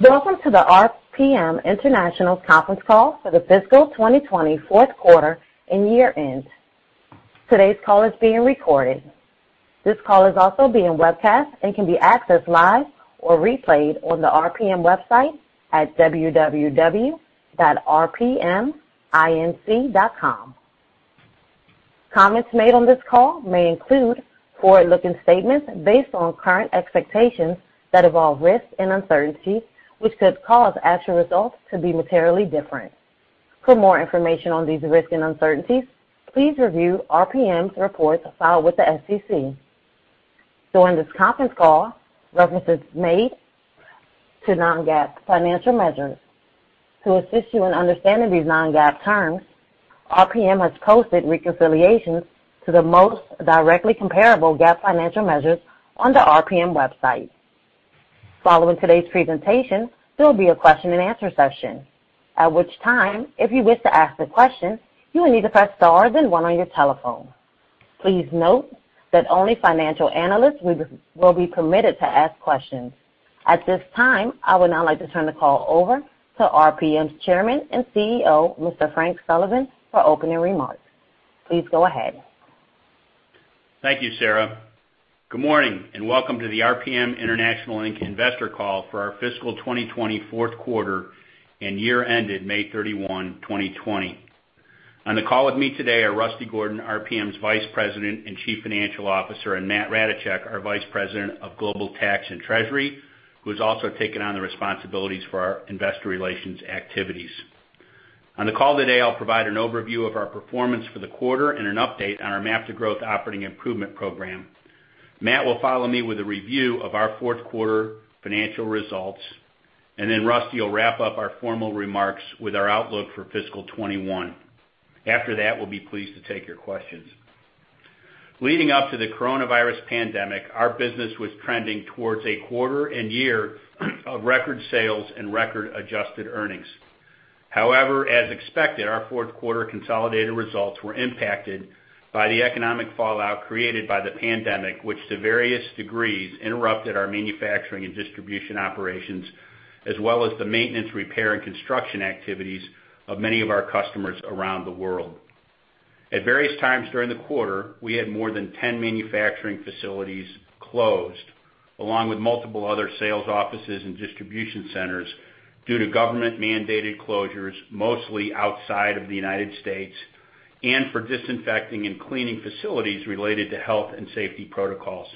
Welcome to the RPM International conference call for the fiscal 2020 fourth quarter and year-end. Today's call is being recorded. This call is also being webcast and can be accessed live or replayed on the RPM website at www.rpminc.com. Comments made on this call may include forward-looking statements based on current expectations that involve risks and uncertainties, which could cause actual results to be materially different. For more information on these risks and uncertainties, please review RPM's reports filed with the SEC. During this conference call, references made to Non-GAAP financial measures. To assist you in understanding these Non-GAAP terms, RPM has posted reconciliations to the most directly comparable GAAP financial measures on the RPM website. Following today's presentation, there will be a question and answer session. At which time, if you wish to ask a question, you will need to press star then one on your telephone. Please note that only financial analysts will be permitted to ask questions. At this time, I would now like to turn the call over to RPM's Chairman and Chief Executive Officer, Mr. Frank Sullivan, for opening remarks. Please go ahead. Thank you, Sarah. Good morning, and welcome to the RPM International Inc. Investor Call for our fiscal 2020 fourth quarter and year ended May 31, 2020. On the call with me today are Rusty Gordon, RPM's Vice President and Chief Financial Officer, and Matt Ratajczak, our Vice President of Global Tax and Treasurer, who's also taken on the responsibilities for our investor relations activities. On the call today, I'll provide an overview of our performance for the quarter and an update on our MAP to Growth operating improvement program. Matt will follow me with a review of our fourth quarter financial results, and then Rusty will wrap up our formal remarks with our outlook for fiscal 2021. After that, we'll be pleased to take your questions. Leading up to the coronavirus pandemic, our business was trending towards a quarter and year of record sales and record adjusted earnings. However, as expected, our fourth quarter consolidated results were impacted by the economic fallout created by the pandemic, which to various degrees interrupted our manufacturing and distribution operations, as well as the maintenance, repair, and construction activities of many of our customers around the world. At various times during the quarter, we had more than 10 manufacturing facilities closed, along with multiple other sales offices and distribution centers due to government mandated closures, mostly outside of the United States, and for disinfecting and cleaning facilities related to health and safety protocols.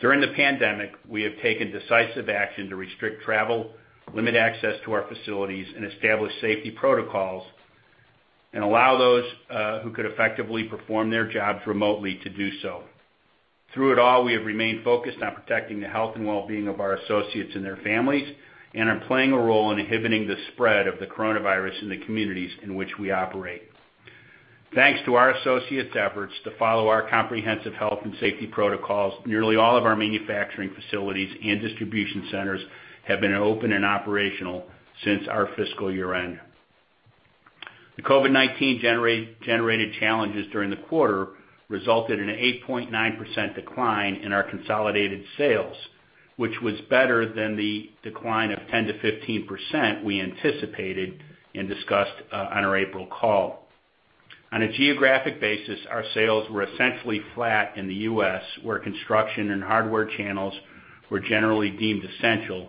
During the pandemic, we have taken decisive action to restrict travel, limit access to our facilities, and establish safety protocols, and allow those who could effectively perform their jobs remotely to do so. Through it all, we have remained focused on protecting the health and wellbeing of our associates and their families, and are playing a role in inhibiting the spread of the coronavirus in the communities in which we operate. Thanks to our associates' efforts to follow our comprehensive health and safety protocols, nearly all of our manufacturing facilities and distribution centers have been open and operational since our fiscal year-end. The COVID-19 generated challenges during the quarter resulted in an 8.9% decline in our consolidated sales, which was better than the decline of 10%-15% we anticipated and discussed on our April call. On a geographic basis, our sales were essentially flat in the U.S., where construction and hardware channels were generally deemed essential,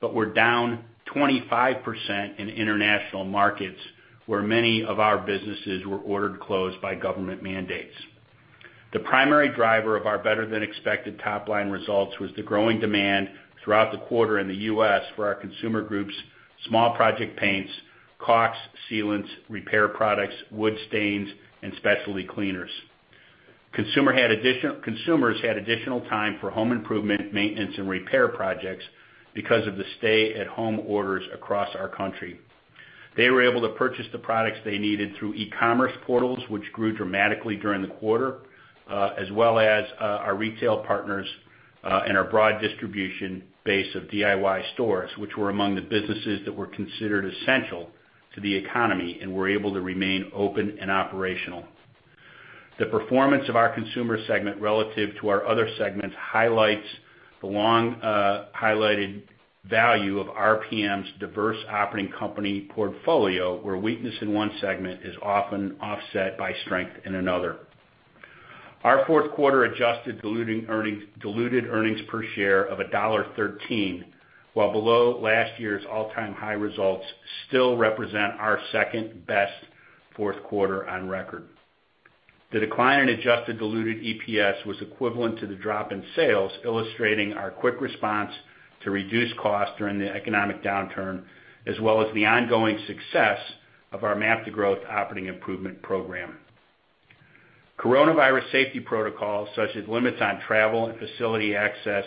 but were down 25% in international markets, where many of our businesses were ordered closed by government mandates. The primary driver of our better than expected top-line results was the growing demand throughout the quarter in the U.S. for our consumer groups, small project paints, caulks, sealants, repair products, wood stains, and specialty cleaners. Consumers had additional time for home improvement, maintenance, and repair projects because of the stay-at-home orders across our country. They were able to purchase the products they needed through e-commerce portals, which grew dramatically during the quarter, as well as our retail partners, and our broad distribution base of DIY stores, which were among the businesses that were considered essential to the economy and were able to remain open and operational. The performance of our Consumer Segment relative to our other segments highlights the long highlighted value of RPM's diverse operating company portfolio, where weakness in one segment is often offset by strength in another. Our fourth quarter adjusted diluted earnings per share of $1.13, while below last year's all-time high results, still represent our second-best fourth quarter on record. The decline in adjusted diluted EPS was equivalent to the drop in sales, illustrating our quick response to reduce costs during the economic downturn, as well as the ongoing success of our MAP to Growth operating improvement program. Coronavirus safety protocols, such as limits on travel and facility access,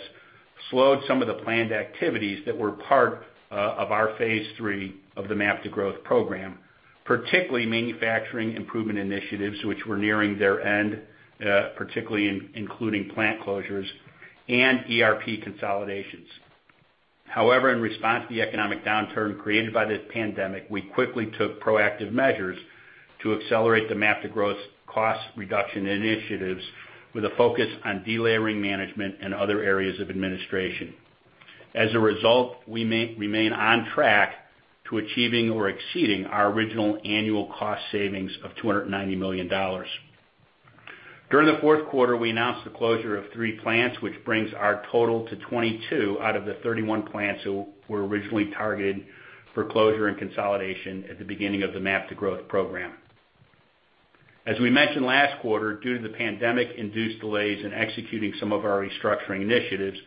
slowed some of the planned activities that were part of our phase III of the MAP to Growth program, particularly manufacturing improvement initiatives, which were nearing their end, particularly including plant closures and ERP consolidations. However, in response to the economic downturn created by this pandemic, we quickly took proactive measures to accelerate the MAP to Growth cost reduction initiatives with a focus on delayering management and other areas of administration. As a result, we remain on track to achieving or exceeding our original annual cost savings of $290 million. During the fourth quarter, we announced the closure of three plants, which brings our total to 22 plants out of the 31 plants that were originally targeted for closure and consolidation at the beginning of the MAP to Growth program. As we mentioned last quarter, due to the pandemic-induced delays in executing some of our restructuring initiatives,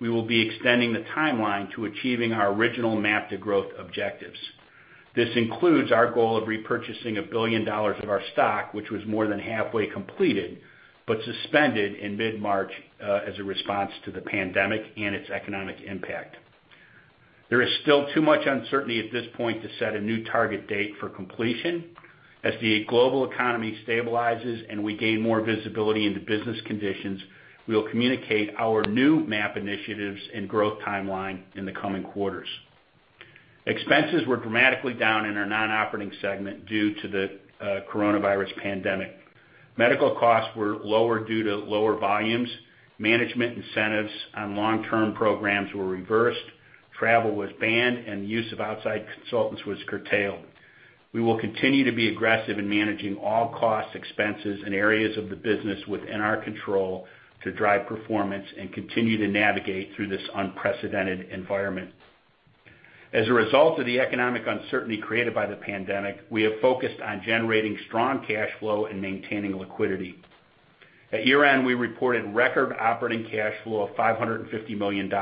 we will be extending the timeline to achieving our original MAP to Growth objectives. This includes our goal of repurchasing $1 billion of our stock, which was more than halfway completed, but suspended in mid-March as a response to the pandemic and its economic impact. There is still too much uncertainty at this point to set a new target date for completion. As the global economy stabilizes and we gain more visibility into business conditions, we will communicate our new MAP initiatives and growth timeline in the coming quarters. Expenses were dramatically down in our non-operating segment due to the coronavirus pandemic. Medical costs were lower due to lower volumes. Management incentives on long-term programs were reversed. Travel was banned, and the use of outside consultants was curtailed. We will continue to be aggressive in managing all cost expenses in areas of the business within our control to drive performance and continue to navigate through this unprecedented environment. As a result of the economic uncertainty created by the pandemic, we have focused on generating strong cash flow and maintaining liquidity. At year-end, we reported record operating cash flow of $550 million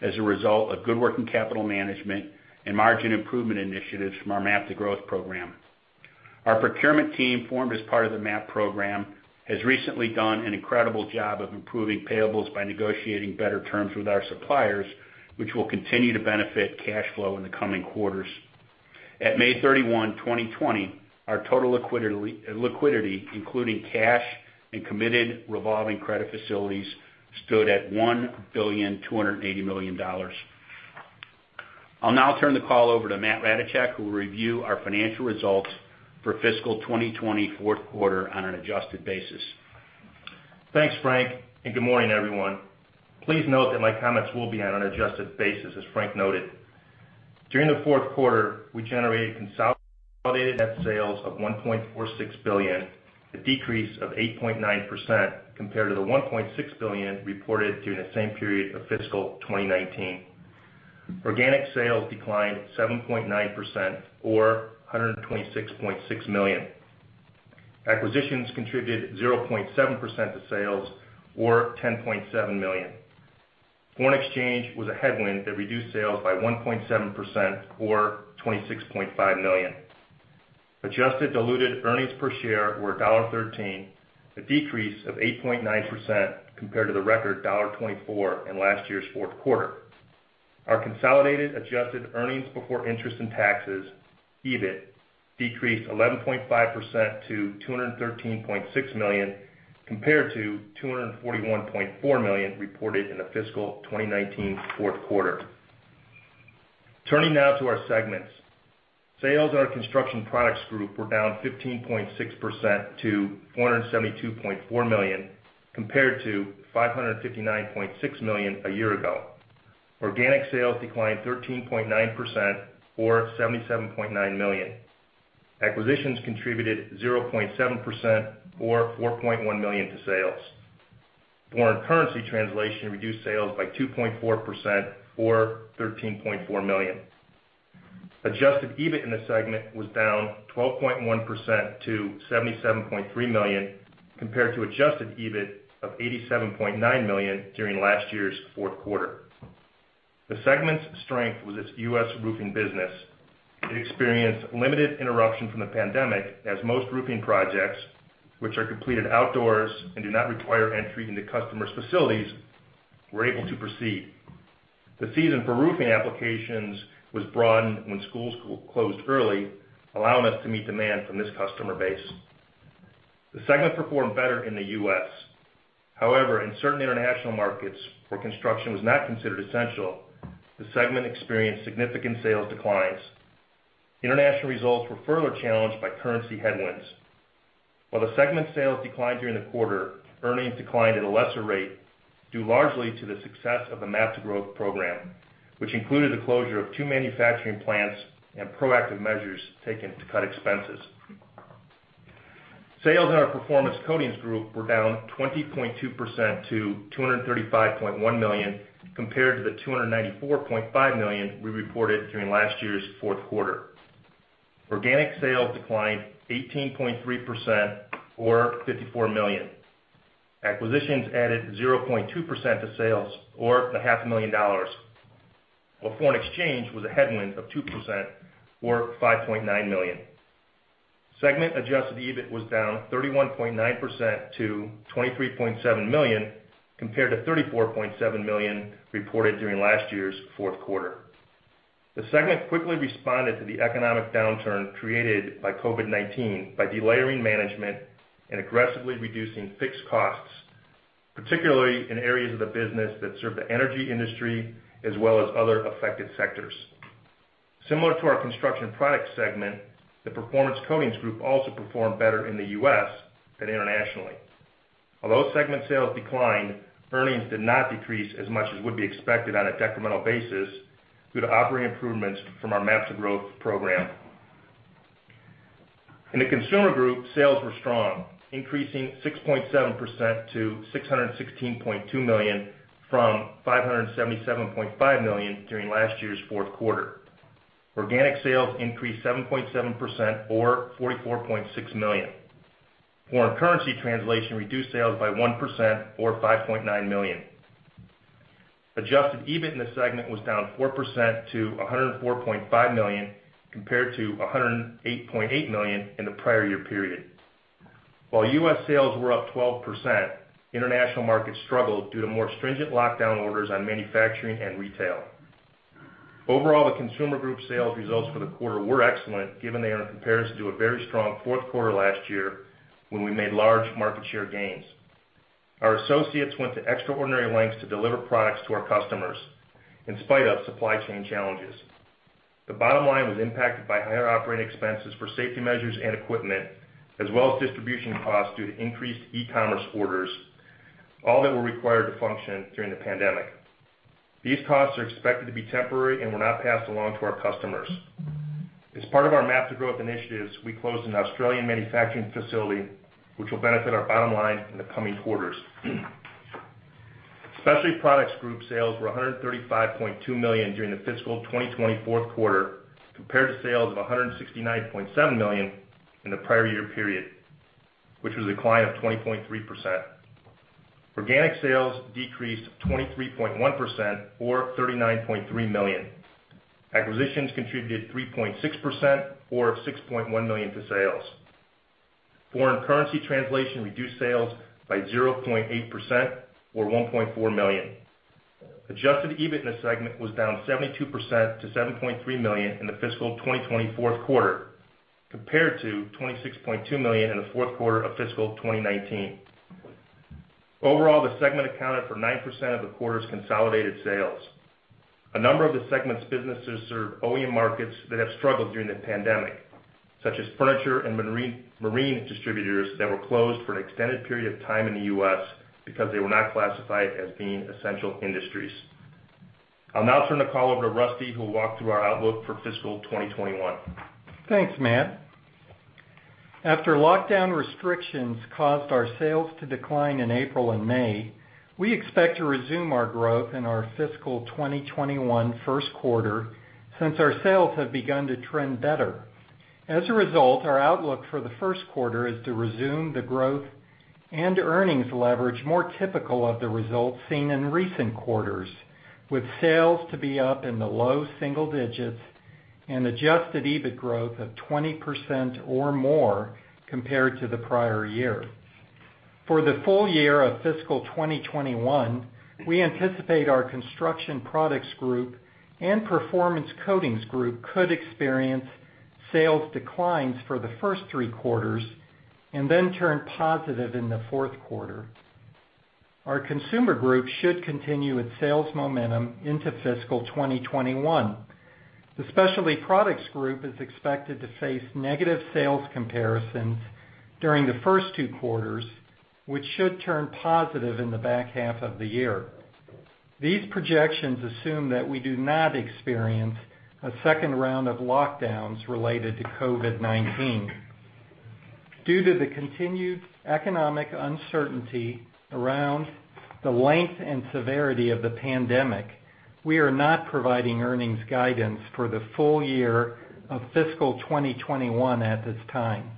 as a result of good working capital management and margin improvement initiatives from our MAP to Growth program. Our procurement team, formed as part of the MAP program, has recently done an incredible job of improving payables by negotiating better terms with our suppliers, which will continue to benefit cash flow in the coming quarters. At May 31, 2020, our total liquidity, including cash and committed revolving credit facilities, stood at $1.28 billion. I'll now turn the call over to Matt Ratajczak, who will review our financial results for fiscal 2020 fourth quarter on an adjusted basis. Thanks, Frank. Good morning, everyone. Please note that my comments will be on an adjusted basis, as Frank noted. During the fourth quarter, we generated consolidated net sales of $1.46 billion, a decrease of 8.9% compared to the $1.6 billion reported during the same period of fiscal 2019. Organic sales declined 7.9%, or $126.6 million. Acquisitions contributed 0.7% to sales, or $10.7 million. Foreign exchange was a headwind that reduced sales by 1.7%, or $26.5 million. Adjusted diluted earnings per share were $1.13, a decrease of 8.9% compared to the record $1.24 in last year's fourth quarter. Our consolidated adjusted earnings before interest and taxes, EBIT, decreased 11.5% to $213.6 million, compared to $241.4 million reported in the fiscal 2019 fourth quarter. Turning now to our segments. Sales in our Construction Products Group were down 15.6% to $472.4 million, compared to $559.6 million a year ago. Organic sales declined 13.9%, or $77.9 million. Acquisitions contributed 0.7%, or $4.1 million to sales. Foreign currency translation reduced sales by 2.4%, or $13.4 million. Adjusted EBIT in the segment was down 12.1% to $77.3 million, compared to adjusted EBIT of $87.9 million during last year's fourth quarter. The segment's strength was its U.S. roofing business. It experienced limited interruption from the pandemic, as most roofing projects, which are completed outdoors and do not require entry into customers' facilities, were able to proceed. The season for roofing applications was broadened when schools closed early, allowing us to meet demand from this customer base. The segment performed better in the U.S. However, in certain international markets where construction was not considered essential, the segment experienced significant sales declines. International results were further challenged by currency headwinds. While the segment's sales declined during the quarter, earnings declined at a lesser rate, due largely to the success of the MAP to Growth program, which included the closure of two manufacturing plants and proactive measures taken to cut expenses. Sales in our Performance Coatings Group were down 20.2% to $235.1 million, compared to the $294.5 million we reported during last year's fourth quarter. Organic sales declined 18.3%, or $54 million. Acquisitions added 0.2% to sales or $500,000. While foreign exchange was a headwind of 2%, or $5.9 million. Segment adjusted EBIT was down 31.9% to $23.7 million, compared to $34.7 million reported during last year's fourth quarter. The segment quickly responded to the economic downturn created by COVID-19 by delayering management and aggressively reducing fixed costs, particularly in areas of the business that serve the energy industry as well as other affected sectors. Similar to our Construction Products segment, the Performance Coatings Group also performed better in the U.S. than internationally. Although segment sales declined, earnings did not decrease as much as would be expected on a decremental basis due to operating improvements from our MAP to Growth program. In the Consumer Group, sales were strong, increasing 6.7% to $616.2 million from $577.5 million during last year's fourth quarter. Organic sales increased 7.7%, or $44.6 million. Foreign currency translation reduced sales by 1%, or $5.9 million. Adjusted EBIT in the segment was down 4% to $104.5 million, compared to $108.8 million in the prior year period. While U.S. sales were up 12%, international markets struggled due to more stringent lockdown orders on manufacturing and retail. Overall, the Consumer Group sales results for the quarter were excellent given they are in comparison to a very strong fourth quarter last year when we made large market share gains. Our associates went to extraordinary lengths to deliver products to our customers, in spite of supply chain challenges. The bottom line was impacted by higher operating expenses for safety measures and equipment, as well as distribution costs due to increased e-commerce orders, all that were required to function during the pandemic. These costs are expected to be temporary and were not passed along to our customers. As part of our MAP to Growth initiatives, we closed an Australian manufacturing facility, which will benefit our bottom line in the coming quarters. Specialty Products Group sales were $135.2 million during the fiscal 2020 fourth quarter, compared to sales of $169.7 million in the prior year period, which was a decline of 20.3%. Organic sales decreased 23.1%, or $39.3 million. Acquisitions contributed 3.6%, or $6.1 million to sales. Foreign currency translation reduced sales by 0.8%, or $1.4 million. Adjusted EBIT in this segment was down 72% to $7.3 million in the fiscal 2020 fourth quarter, compared to $26.2 million in the fourth quarter of fiscal 2019. Overall, the segment accounted for 9% of the quarter's consolidated sales. A number of the segment's businesses serve OEM markets that have struggled during the pandemic, such as furniture and marine distributors that were closed for an extended period of time in the U.S. because they were not classified as being essential industries. I'll now turn the call over to Rusty, who will walk through our outlook for fiscal 2021. Thanks, Matt. After lockdown restrictions caused our sales to decline in April and May, we expect to resume our growth in our fiscal 2021 first quarter, since our sales have begun to trend better. As a result, our outlook for the first quarter is to resume the growth and earnings leverage more typical of the results seen in recent quarters, with sales to be up in the low single digits and adjusted EBIT growth of 20% or more compared to the prior year. For the full year of fiscal 2021, we anticipate our Construction Products Group and Performance Coatings Group could experience sales declines for the first three quarters and then turn positive in the fourth quarter. Our Consumer Group should continue its sales momentum into fiscal 2021. The Specialty Products Group is expected to face negative sales comparisons during the first two quarters, which should turn positive in the back half of the year. These projections assume that we do not experience a second round of lockdowns related to COVID-19. Due to the continued economic uncertainty around the length and severity of the pandemic, we are not providing earnings guidance for the full year of fiscal 2021 at this time.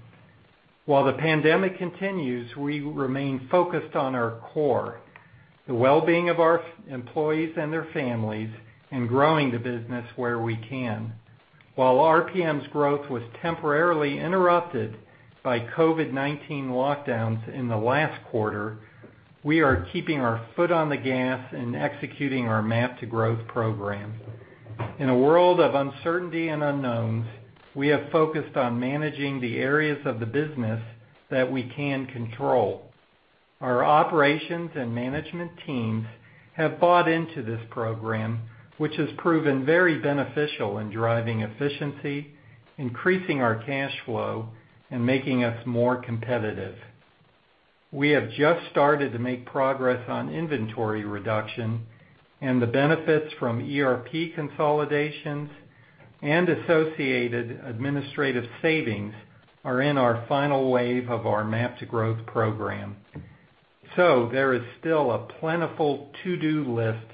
While the pandemic continues, we remain focused on our core, the wellbeing of our employees and their families, and growing the business where we can. While RPM's growth was temporarily interrupted by COVID-19 lockdowns in the last quarter, we are keeping our foot on the gas and executing our MAP to Growth program. In a world of uncertainty and unknowns, we have focused on managing the areas of the business that we can control. Our operations and management teams have bought into this program, which has proven very beneficial in driving efficiency, increasing our cash flow, and making us more competitive. The benefits from ERP consolidations and associated administrative savings are in our final wave of our MAP to Growth program. There is still a plentiful to-do list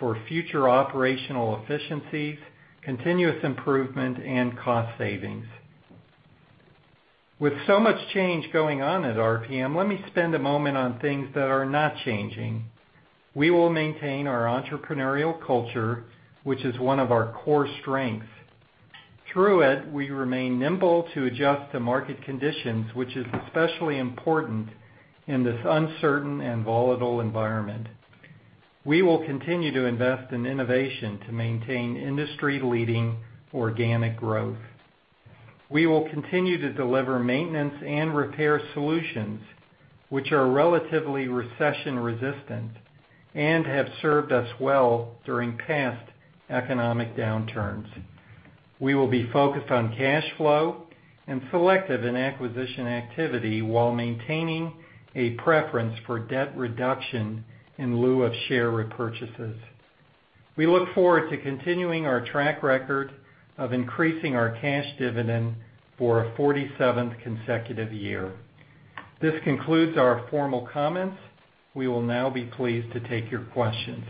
for future operational efficiencies, continuous improvement, and cost savings. With so much change going on at RPM, let me spend a moment on things that are not changing. We will maintain our entrepreneurial culture, which is one of our core strengths. Through it, we remain nimble to adjust to market conditions, which is especially important in this uncertain and volatile environment. We will continue to invest in innovation to maintain industry-leading organic growth. We will continue to deliver maintenance and repair solutions, which are relatively recession-resistant and have served us well during past economic downturns. We will be focused on cash flow and selective in acquisition activity while maintaining a preference for debt reduction in lieu of share repurchases. We look forward to continuing our track record of increasing our cash dividend for a 47th consecutive year. This concludes our formal comments. We will now be pleased to take your questions.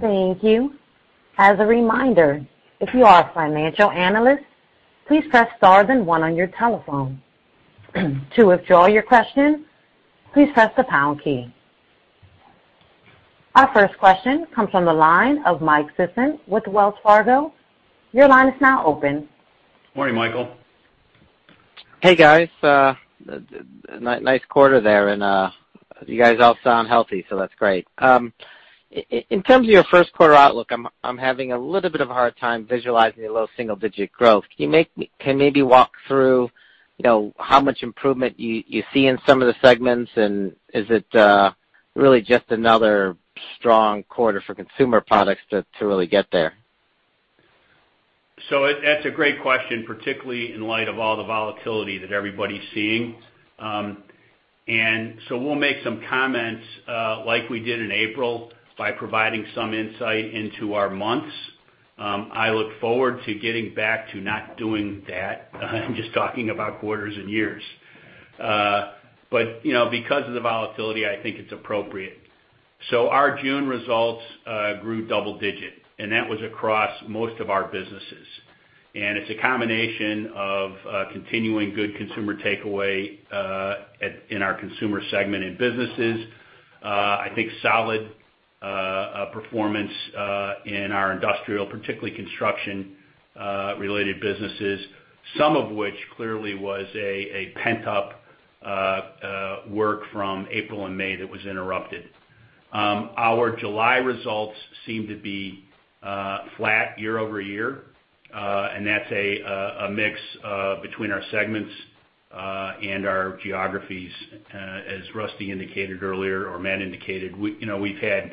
Thank you. As a reminder, if you are a financial analyst, please press star then one on your telephone. To withdraw your question, please press the pound key. Our first question comes from the line of Mike Sison with Wells Fargo. Your line is now open. Morning, Michael. Hey, guys. Nice quarter there, you guys all sound healthy, so that's great. In terms of your first quarter outlook, I'm having a little bit of a hard time visualizing your low single-digit growth. Can you maybe walk through how much improvement you see in some of the segments, and is it really just another strong quarter for Consumer Products to really get there? That's a great question, particularly in light of all the volatility that everybody's seeing. We'll make some comments, like we did in April, by providing some insight into our months. I look forward to getting back to not doing that and just talking about quarters and years. Because of the volatility, I think it's appropriate. Our June results grew double-digit. That was across most of our businesses. It's a combination of continuing good Consumer takeaway in our Consumer Segment in businesses. I think solid performance in our industrial, particularly construction-related businesses, some of which clearly was a pent-up work from April and May that was interrupted. Our July results seem to be flat year-over-year. That's a mix between our segments and our geographies. As Rusty indicated earlier, or Matt indicated, we've had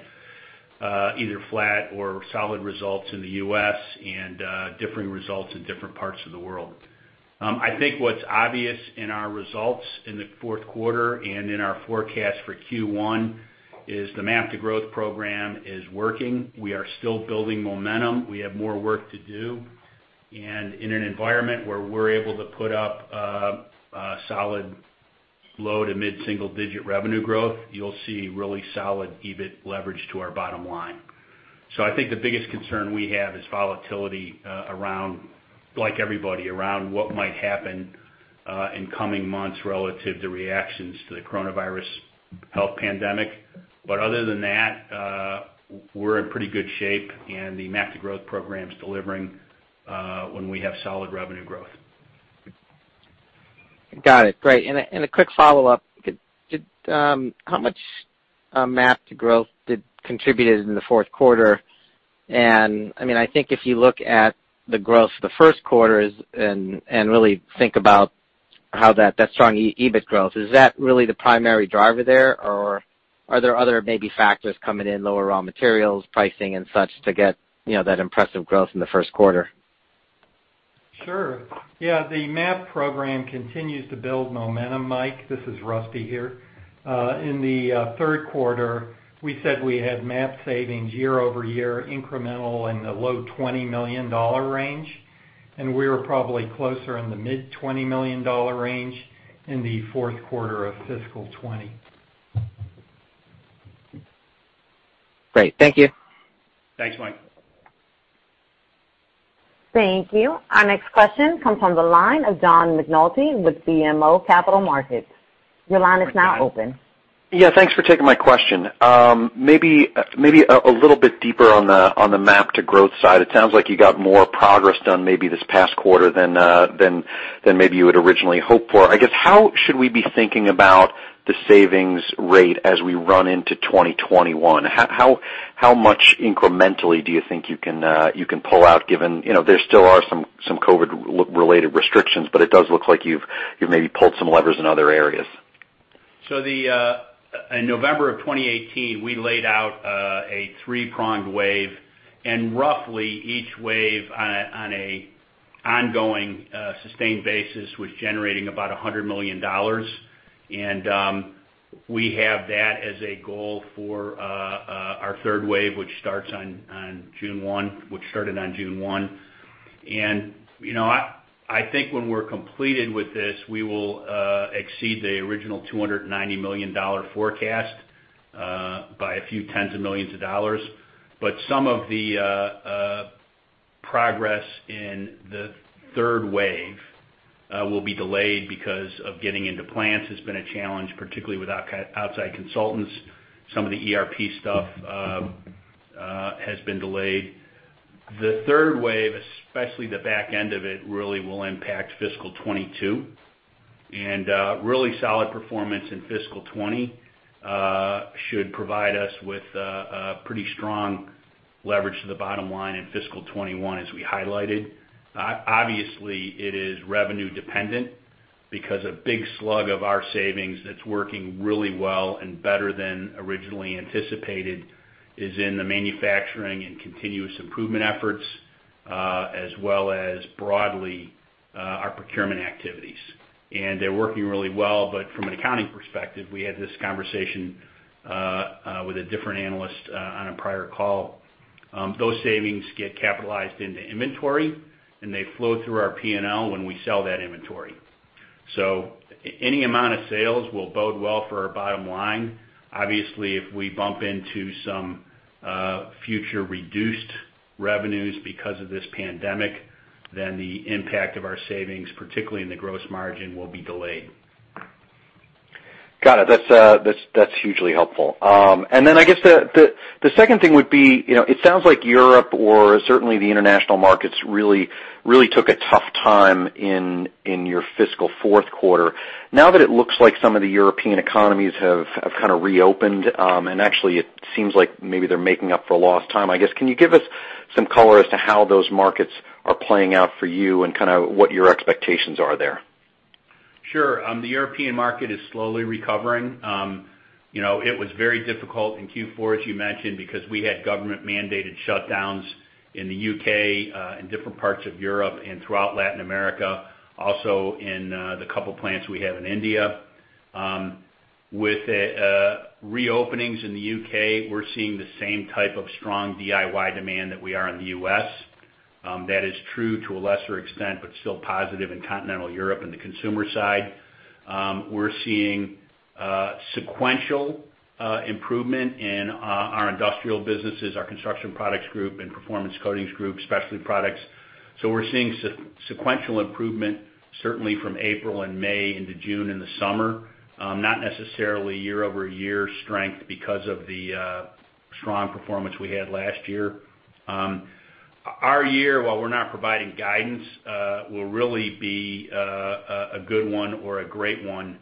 either flat or solid results in the U.S. and differing results in different parts of the world. I think what's obvious in our results in the fourth quarter and in our forecast for Q1 is the MAP to Growth program is working. We are still building momentum. We have more work to do. In an environment where we're able to put up a solid low to mid-single digit revenue growth, you'll see really solid EBIT leverage to our bottom line. I think the biggest concern we have is volatility, like everybody, around what might happen in coming months relative to reactions to the coronavirus health pandemic. Other than that, we're in pretty good shape, and the MAP to Growth program's delivering when we have solid revenue growth. Got it. Great. A quick follow-up. How much MAP to Growth did contribute in the fourth quarter? I think if you look at the growth for the first quarters and really think about how that strong EBIT growth, is that really the primary driver there, or are there other maybe factors coming in, lower raw materials pricing and such to get that impressive growth in the first quarter? Sure. Yeah, the MAP program continues to build momentum, Mike. This is Rusty here. In the third quarter, we said we had MAP savings year-over-year incremental in the low $20 million range. We were probably closer in the mid $20 million range in the fourth quarter of fiscal 2020. Great. Thank you. Thanks, Mike. Thank you. Our next question comes from the line of John McNulty with BMO Capital Markets. Your line is now open. Yeah, thanks for taking my question. Maybe a little bit deeper on the MAP to Growth side. It sounds like you got more progress done maybe this past quarter than maybe you had originally hoped for. I guess how should we be thinking about the savings rate as we run into 2021? How much incrementally do you think you can pull out given there still are some COVID-related restrictions, but it does look like you've maybe pulled some levers in other areas? In November of 2018, we laid out a three-pronged wave, and roughly each wave on a ongoing, sustained basis was generating about $100 million. We have that as a goal for our third wave, which started on June 1. I think when we're completed with this, we will exceed the original $290 million forecast by a few tens of millions of dollars. Some of the progress in the third wave will be delayed because of getting into plants has been a challenge, particularly with outside consultants. Some of the ERP stuff has been delayed. The third wave, especially the back end of it, really will impact fiscal 2022. Really solid performance in fiscal 2020 should provide us with a pretty strong leverage to the bottom line in fiscal 2021, as we highlighted. Obviously, it is revenue dependent because a big slug of our savings that's working really well and better than originally anticipated is in the manufacturing and continuous improvement efforts, as well as broadly, our procurement activities. They're working really well, but from an accounting perspective, we had this conversation with a different analyst on a prior call. Those savings get capitalized into inventory, and they flow through our P&L when we sell that inventory. Any amount of sales will bode well for our bottom line. Obviously, if we bump into some future reduced revenues because of this COVID-19 pandemic, then the impact of our savings, particularly in the gross margin, will be delayed. Got it. That's hugely helpful. Then I guess the second thing would be, it sounds like Europe or certainly the international markets really took a tough time in your fiscal fourth quarter. Now that it looks like some of the European economies have kind of reopened, and actually, it seems like maybe they're making up for lost time, I guess, can you give us some color as to how those markets are playing out for you and kind of what your expectations are there? Sure. The European market is slowly recovering. It was very difficult in Q4, as you mentioned, because we had government-mandated shutdowns in the U.K., in different parts of Europe and throughout Latin America, also in the couple of plants we have in India. With the reopenings in the U.K., we're seeing the same type of strong DIY demand that we are in the U.S. That is true to a lesser extent, but still positive in continental Europe in the Consumer side. We're seeing sequential improvement in our industrial businesses, our Construction Products Group, and Performance Coatings, Specialty Products Group. We're seeing sequential improvement, certainly from April and May into June in the summer. Not necessarily year-over-year strength because of the strong performance we had last year. Our year, while we're not providing guidance, will really be a good one or a great one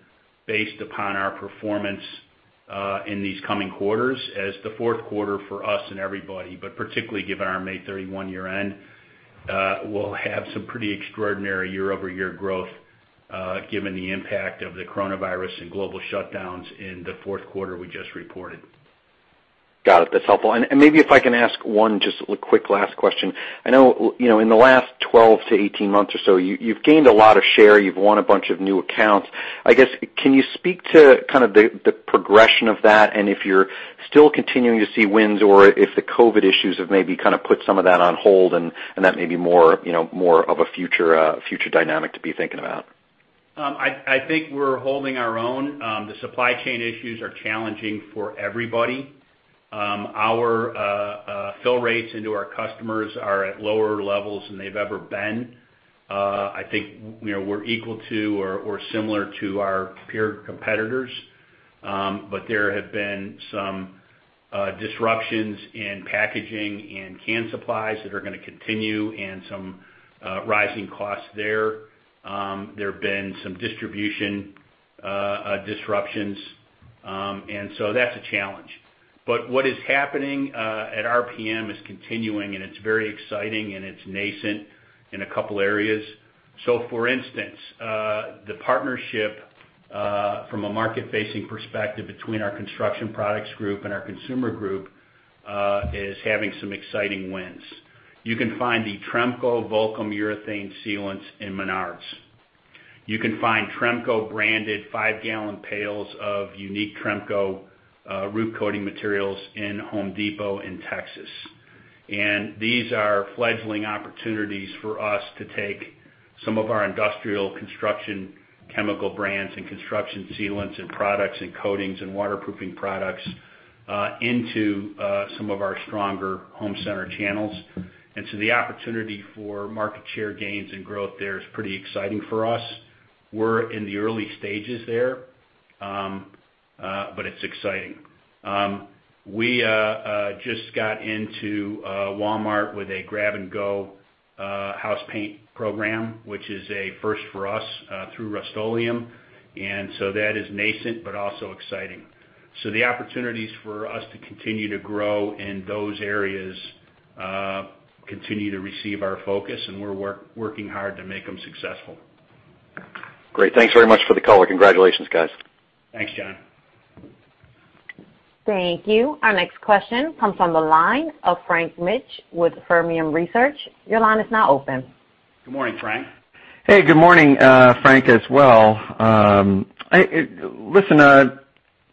based upon our performance in these coming quarters as the fourth quarter for us and everybody, but particularly given our May 31 year-end, will have some pretty extraordinary year-over-year growth, given the impact of the coronavirus and global shutdowns in the fourth quarter we just reported. Got it. That's helpful. Maybe if I can ask one just quick last question. I know in the last 12 months-18 months or so, you've gained a lot of share. You've won a bunch of new accounts. I guess, can you speak to kind of the progression of that, and if you're still continuing to see wins or if the COVID issues have maybe kind of put some of that on hold and that may be more of a future dynamic to be thinking about? I think we're holding our own. The supply chain issues are challenging for everybody. Our fill rates into our customers are at lower levels than they've ever been. I think we're equal to or similar to our peer competitors. There have been some disruptions in packaging and can supplies that are going to continue and some rising costs there. There have been some distribution disruptions. That's a challenge. What is happening at RPM is continuing, and it's very exciting, and it's nascent in a couple of areas. For instance, the partnership from a market-facing perspective between our Construction Products Group and our Consumer Group is having some exciting wins. You can find the Tremco Vulkem urethane sealants in Menards. You can find Tremco-branded five-gallon pails of unique Tremco roof coating materials in Home Depot in Texas. These are fledgling opportunities for us to take some of our industrial construction chemical brands and construction sealants and products and coatings and waterproofing products into some of our stronger home center channels. The opportunity for market share gains and growth there is pretty exciting for us. We're in the early stages there, but it's exciting. We just got into Walmart with a grab-and-go house paint program, which is a first for us through Rust-Oleum. That is nascent but also exciting. The opportunities for us to continue to grow in those areas continue to receive our focus, and we're working hard to make them successful. Great. Thanks very much for the call. Congratulations, guys. Thanks, John. Thank you. Our next question comes from the line of Frank Mitsch with Fermium Research. Your line is now open. Good morning, Frank. Hey, good morning, Frank as well. Listen,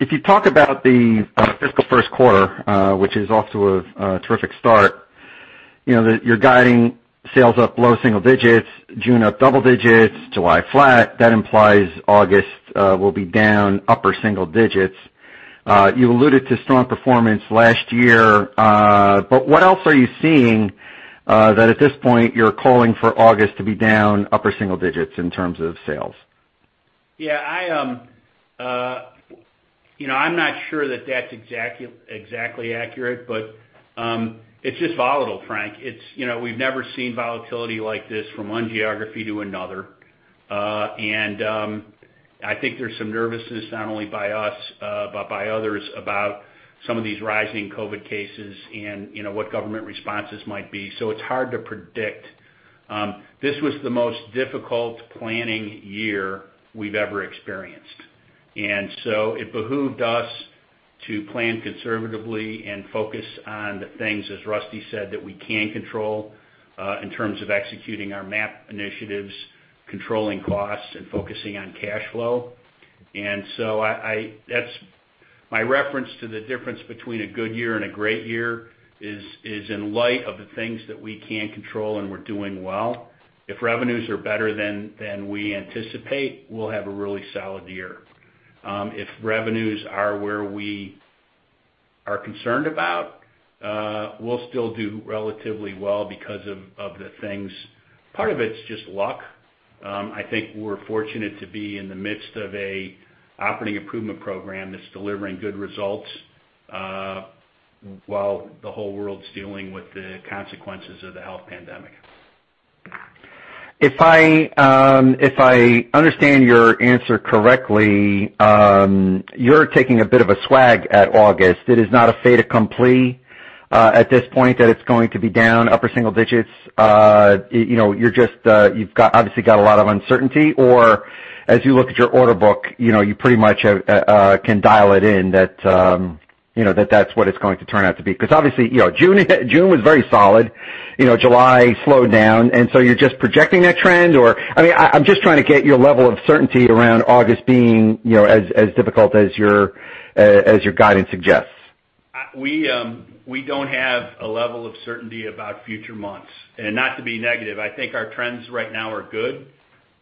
if you talk about the fiscal first quarter, which is off to a terrific start, you're guiding sales up low single digits, June up double digits, July flat. That implies August will be down upper single digits. You alluded to strong performance last year, but what else are you seeing that at this point you're calling for August to be down upper single digits in terms of sales? I'm not sure that's exactly accurate. It's just volatile, Frank. We've never seen volatility like this from one geography to another. I think there's some nervousness, not only by us, but by others, about some of these rising COVID cases and what government responses might be. It's hard to predict. This was the most difficult planning year we've ever experienced. It behooved us to plan conservatively and focus on the things, as Rusty said, that we can control in terms of executing our MAP initiatives, controlling costs, and focusing on cash flow. My reference to the difference between a good year and a great year is in light of the things that we can control and we're doing well. If revenues are better than we anticipate, we'll have a really solid year. If revenues are where we are concerned about, we'll still do relatively well because of the things. Part of it's just luck. I think we're fortunate to be in the midst of an operating improvement program that's delivering good results while the whole world's dealing with the consequences of the health pandemic. If I understand your answer correctly, you're taking a bit of a swag at August. It is not a fait accompli at this point that it's going to be down upper single digits. You've obviously got a lot of uncertainty, or as you look at your order book, you pretty much can dial it in that that's what it's going to turn out to be. Obviously, June was very solid. July slowed down. You're just projecting that trend? I'm just trying to get your level of certainty around August being as difficult as your guidance suggests. We don't have a level of certainty about future months. Not to be negative, I think our trends right now are good.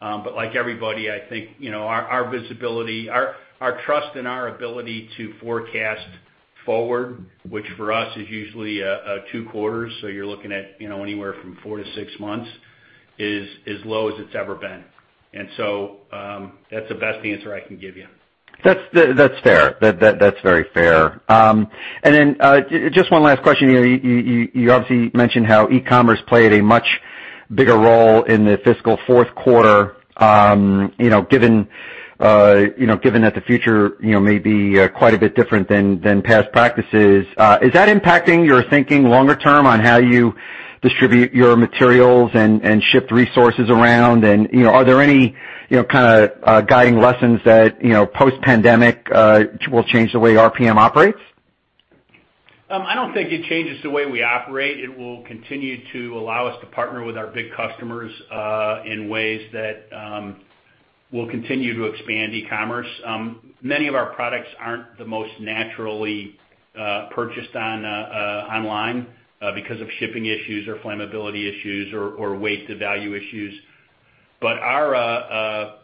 Like everybody, I think, our trust in our ability to forecast forward, which for us is usually two quarters, so you're looking at anywhere from four to six months, is as low as it's ever been. That's the best answer I can give you. That's fair. That's very fair. Just one last question. You obviously mentioned how e-commerce played a much bigger role in the fiscal fourth quarter. Given that the future may be quite a bit different than past practices, is that impacting your thinking longer term on how you distribute your materials and ship resources around? Are there any kind of guiding lessons that post-pandemic will change the way RPM operates? I don't think it changes the way we operate. It will continue to allow us to partner with our big customers in ways that will continue to expand e-commerce. Many of our products aren't the most naturally purchased online because of shipping issues or flammability issues or weight to value issues. Our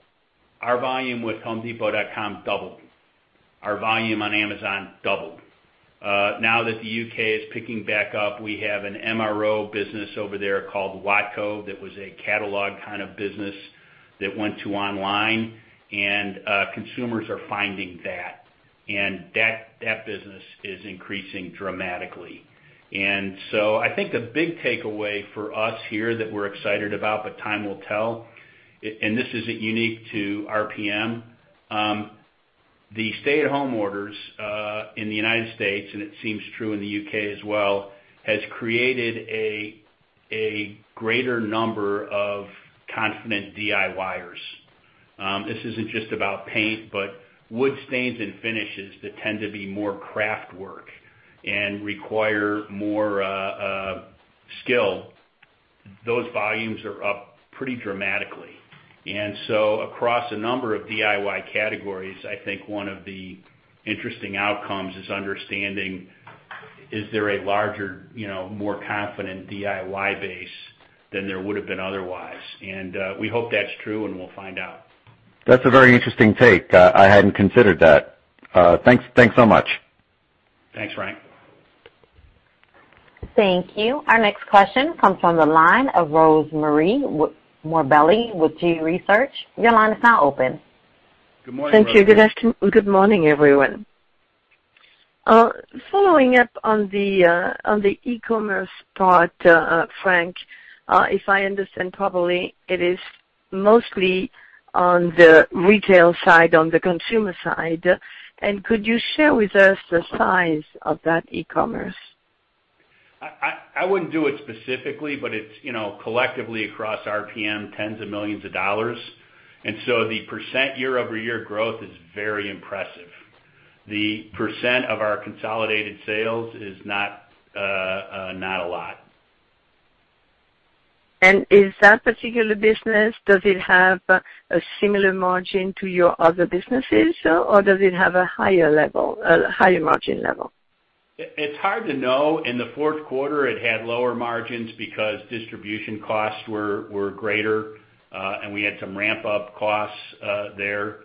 volume with homedepot.com doubled. Our volume on Amazon doubled. Now that the U.K. is picking back up, we have an MRO business over there called Watco that was a catalog kind of business that went to online, and consumers are finding that. That business is increasing dramatically. I think a big takeaway for us here that we're excited about, but time will tell, and this isn't unique to RPM. The stay-at-home orders in the U.S., and it seems true in the U.K. as well, has created a greater number of confident DIYers. This isn't just about paint, but wood stains and finishes that tend to be more craft work and require more skill. Those volumes are up pretty dramatically. Across a number of DIY categories, I think one of the interesting outcomes is understanding is there a larger, more confident DIY base than there would have been otherwise. We hope that's true, and we'll find out. That's a very interesting take. I hadn't considered that. Thanks so much. Thanks, Frank. Thank you. Our next question comes from the line of Rosemarie Morbelli with G.research. Your line is now open. Good morning, Rosemarie. Thank you. Good morning, everyone. Following up on the e-commerce part, Frank, if I understand properly, it is mostly on the retail side, on the Consumer side. Could you share with us the size of that e-commerce? I wouldn't do it specifically, but it's collectively across RPM, tens of millions of dollars. The percent year-over-year growth is very impressive. The percent of our consolidated sales is not a lot. Is that particular business, does it have a similar margin to your other businesses, or does it have a higher margin level? It's hard to know. In the fourth quarter, it had lower margins because distribution costs were greater, and we had some ramp-up costs there.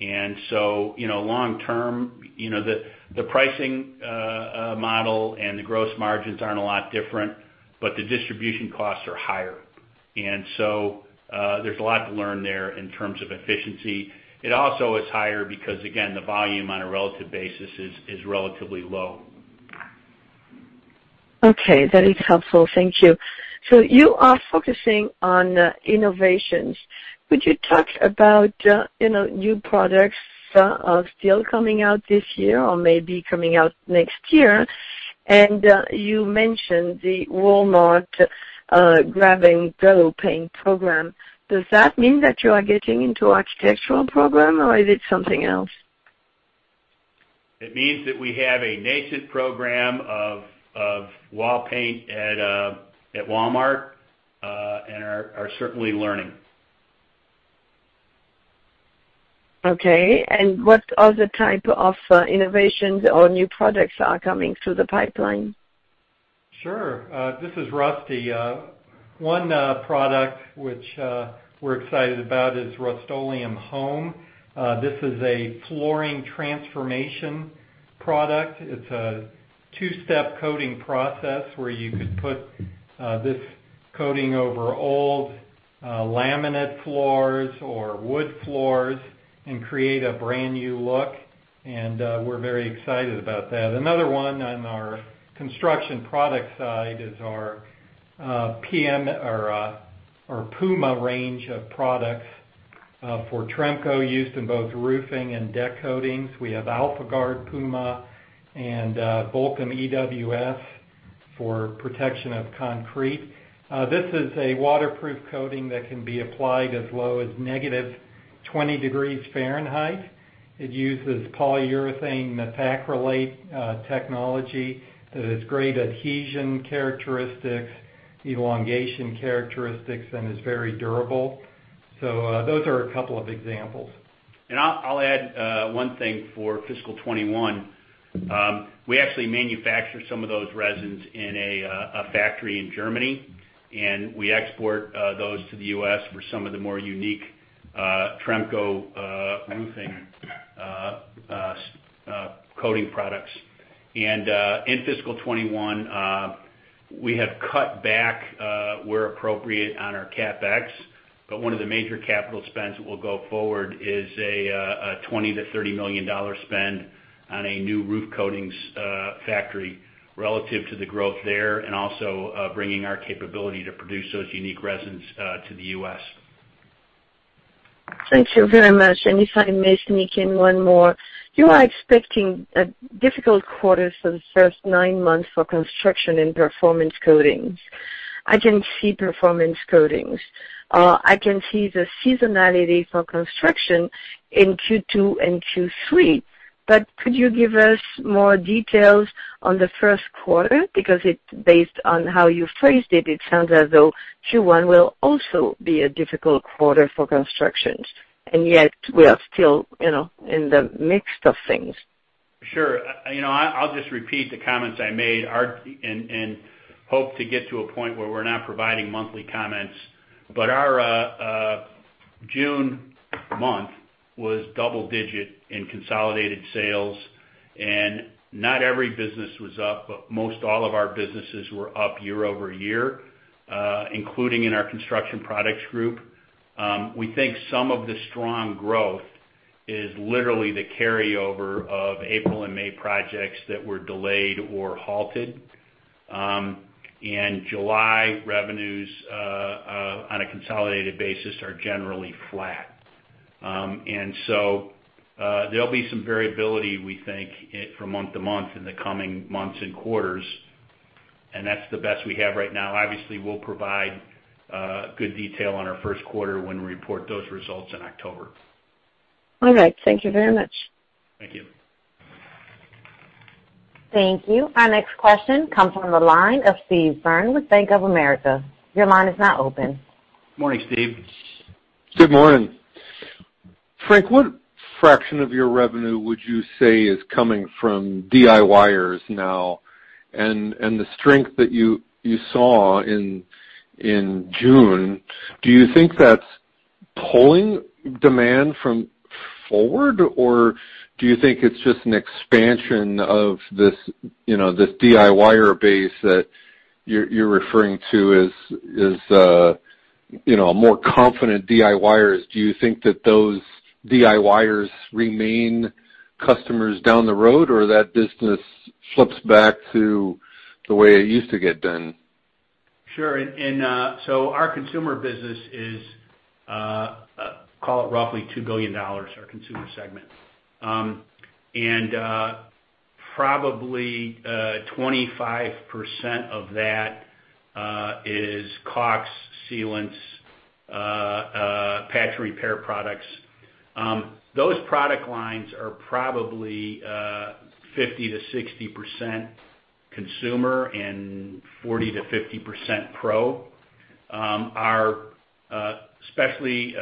Long term the pricing model and the gross margins aren't a lot different, but the distribution costs are higher. There's a lot to learn there in terms of efficiency. It also is higher because, again, the volume on a relative basis is relatively low. Okay, that is helpful. Thank you. You are focusing on innovations. Could you talk about new products that are still coming out this year or maybe coming out next year? You mentioned the Walmart Grab & Go paint program. Does that mean that you are getting into architectural program or is it something else? It means that we have a nascent program of wall paint at Walmart, and are certainly learning. Okay. What other type of innovations or new products are coming through the pipeline? Sure. This is Rusty. One product which we're excited about is Rust-Oleum HOME. This is a flooring transformation product. It's a two-step coating process where you could put this coating over old laminate floors or wood floors and create a brand-new look, and we're very excited about that. Another one on our construction product side is our PUMA range of products for Tremco, used in both roofing and deck coatings. We have AlphaGuard PUMA and Vulkem EWS for protection of concrete. This is a waterproof coating that can be applied as low as -20 degrees Fahrenheit. It uses polyurethane methacrylate technology that has great adhesion characteristics, elongation characteristics, and is very durable. Those are a couple of examples. I'll add one thing for fiscal 2021. We actually manufacture some of those resins in a factory in Germany, and we export those to the U.S. for some of the more unique Tremco roofing coating products. In fiscal 2021, we have cut back, where appropriate, on our CapEx. One of the major capital spends that will go forward is a $20 million-$30 million spend on a new roof coatings factory relative to the growth there and also bringing our capability to produce those unique resins to the U.S. Thank you very much. If I may sneak in one more. You are expecting a difficult quarter for the first nine months for Construction Products and Performance Coatings. I can see Performance Coatings. I can see the seasonality for Construction Products in Q2 and Q3. Could you give us more details on the first quarter? Based on how you phrased it sounds as though Q1 will also be a difficult quarter for Construction Products, and yet we are still in the midst of things. Sure. I'll just repeat the comments I made and hope to get to a point where we're not providing monthly comments. Our June month was double-digit in consolidated sales, and not every business was up, but most all of our businesses were up year-over-year, including in our Construction Products Group. We think some of the strong growth is literally the carryover of April and May projects that were delayed or halted. July revenues, on a consolidated basis, are generally flat. There'll be some variability, we think, from month-to-month in the coming months and quarters, and that's the best we have right now. Obviously, we'll provide good detail on our first quarter when we report those results in October. All right. Thank you very much. Thank you. Thank you. Our next question comes from the line of Steve Byrne with Bank of America. Your line is now open. Morning, Steve. Good morning. Frank, what fraction of your revenue would you say is coming from DIYers now? The strength that you saw in June, do you think that's pulling demand from forward? Do you think it's just an expansion of this DIYer base that you're referring to as more confident DIYers? Do you think that those DIYers remain customers down the road, or that business flips back to the way it used to get done? Sure. Our Consumer business is, call it roughly $2 billion, our Consumer Segment. Probably 25% of that is caulk, sealants, patch repair products. Those product lines are probably 50%-60% Consumer and 40%-50% pro. Especially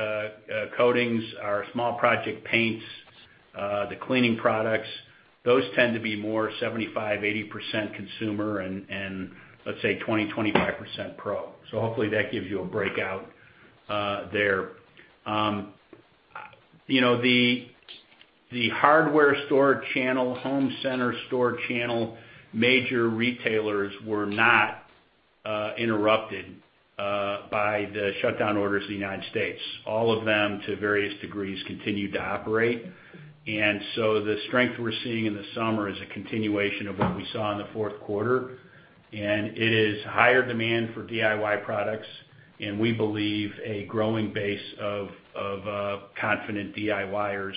coatings, our small project paints, the cleaning products, those tend to be more 75%-80% Consumer and, let's say, 20%-25% pro. Hopefully, that gives you a breakout there. The hardware store channel, home center store channel, major retailers were not interrupted by the shutdown orders in the U.S. All of them, to various degrees, continued to operate. The strength we're seeing in the summer is a continuation of what we saw in the fourth quarter, and it is higher demand for DIY products and we believe a growing base of confident DIYers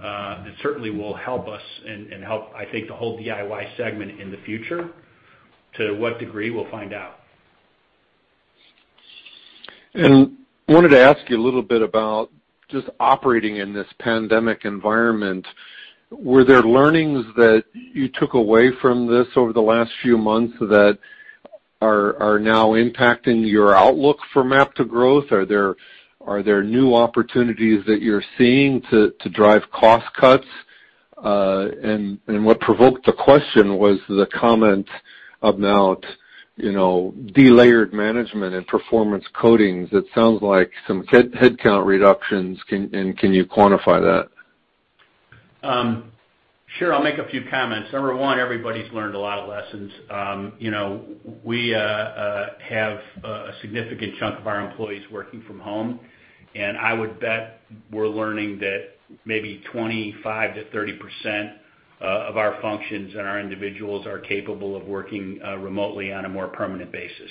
that certainly will help us and help, I think, the whole DIY segment in the future. To what degree? We'll find out. Wanted to ask you a little bit about just operating in this pandemic environment. Were there learnings that you took away from this over the last few months that are now impacting your outlook for MAP to Growth? Are there new opportunities that you're seeing to drive cost cuts? What provoked the question was the comment about delayered management and Performance Coatings. It sounds like some headcount reductions. Can you quantify that? Sure. I'll make a few comments. Number one, everybody's learned a lot of lessons. We have a significant chunk of our employees working from home. I would bet we're learning that maybe 25%-30% of our functions and our individuals are capable of working remotely on a more permanent basis.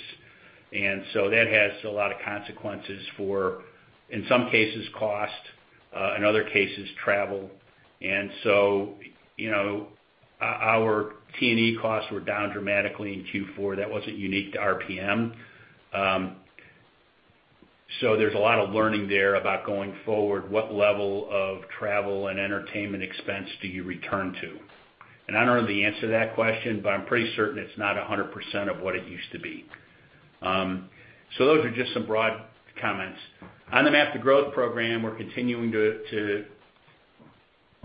That has a lot of consequences for, in some cases, cost, in other cases, travel. Our T&E costs were down dramatically in Q4. That wasn't unique to RPM. There's a lot of learning there about going forward, what level of travel and entertainment expense do you return to? I don't know the answer to that question, but I'm pretty certain it's not 100% of what it used to be. Those are just some broad comments. On the MAP to Growth program, we're continuing to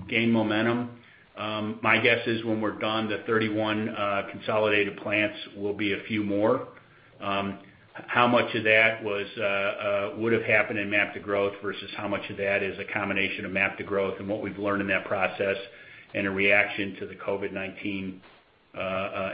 gain momentum. My guess is when we're done, the 31 consolidated plants will be a few more. How much of that would have happened in MAP to Growth versus how much of that is a combination of MAP to Growth and what we've learned in that process and a reaction to the COVID-19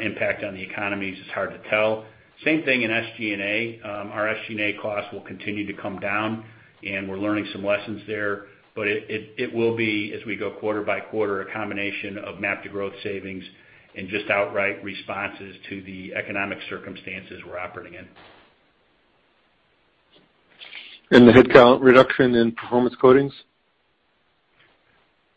impact on the economy is just hard to tell. Same thing in SG&A. Our SG&A costs will continue to come down, we're learning some lessons there. It will be, as we go quarter by quarter, a combination of MAP to Growth savings and just outright responses to the economic circumstances we're operating in. The headcount reduction in Performance Coatings?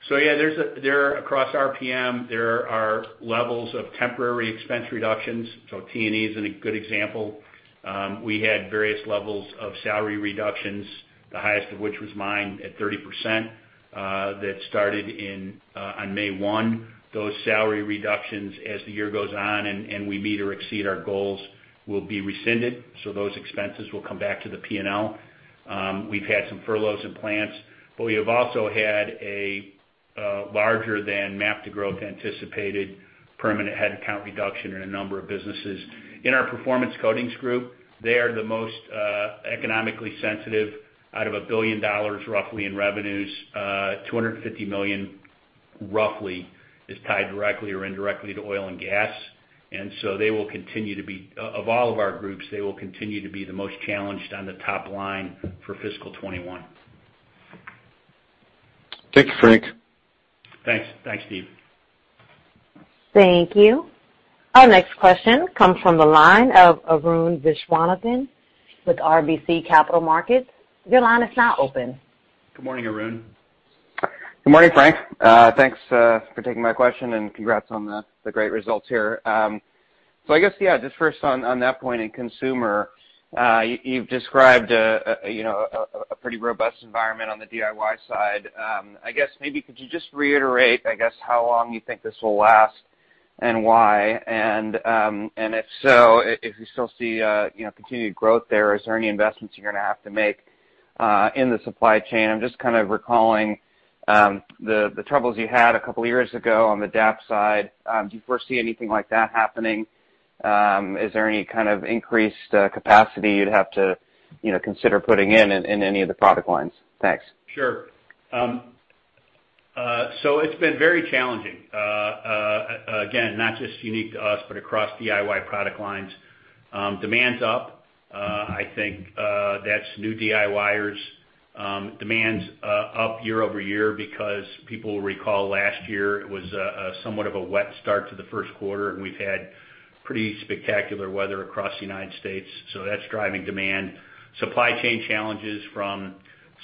Across RPM, there are levels of temporary expense reductions. T&E is a good example. We had various levels of salary reductions, the highest of which was mine at 30%, that started on May 1. Those salary reductions, as the year goes on and we meet or exceed our goals, will be rescinded. Those expenses will come back to the P&L. We've had some furloughs in plants, but we have also had a larger than MAP to Growth anticipated permanent headcount reduction in a number of businesses. In our Performance Coatings group, they are the most economically sensitive. Out of $1 billion, roughly, in revenues, $250 million, roughly, is tied directly or indirectly to oil and gas. Of all of our groups, they will continue to be the most challenged on the top line for fiscal 2021. Thank you, Frank. Thanks. Thanks, Steve. Thank you. Our next question comes from the line of Arun Viswanathan with RBC Capital Markets. Your line is now open. Good morning, Arun. Good morning, Frank. Thanks for taking my question and congrats on the great results here. I guess, yeah, just first on that point in Consumer, you've described a pretty robust environment on the DIY side. I guess maybe could you just reiterate, I guess, how long you think this will last and why? If so, if you still see continued growth there, is there any investments you're going to have to make in the supply chain? I'm just kind of recalling the troubles you had a couple of years ago on the DAP side. Do you foresee anything like that happening? Is there any kind of increased capacity you'd have to consider putting in any of the product lines? Thanks. Sure. It's been very challenging. Again, not just unique to us, but across DIY product lines. Demand's up. I think that's new DIYers. Demand's up year-over-year because people will recall last year was somewhat of a wet start to the first quarter, and we've had pretty spectacular weather across the U.S., so that's driving demand. Supply chain challenges from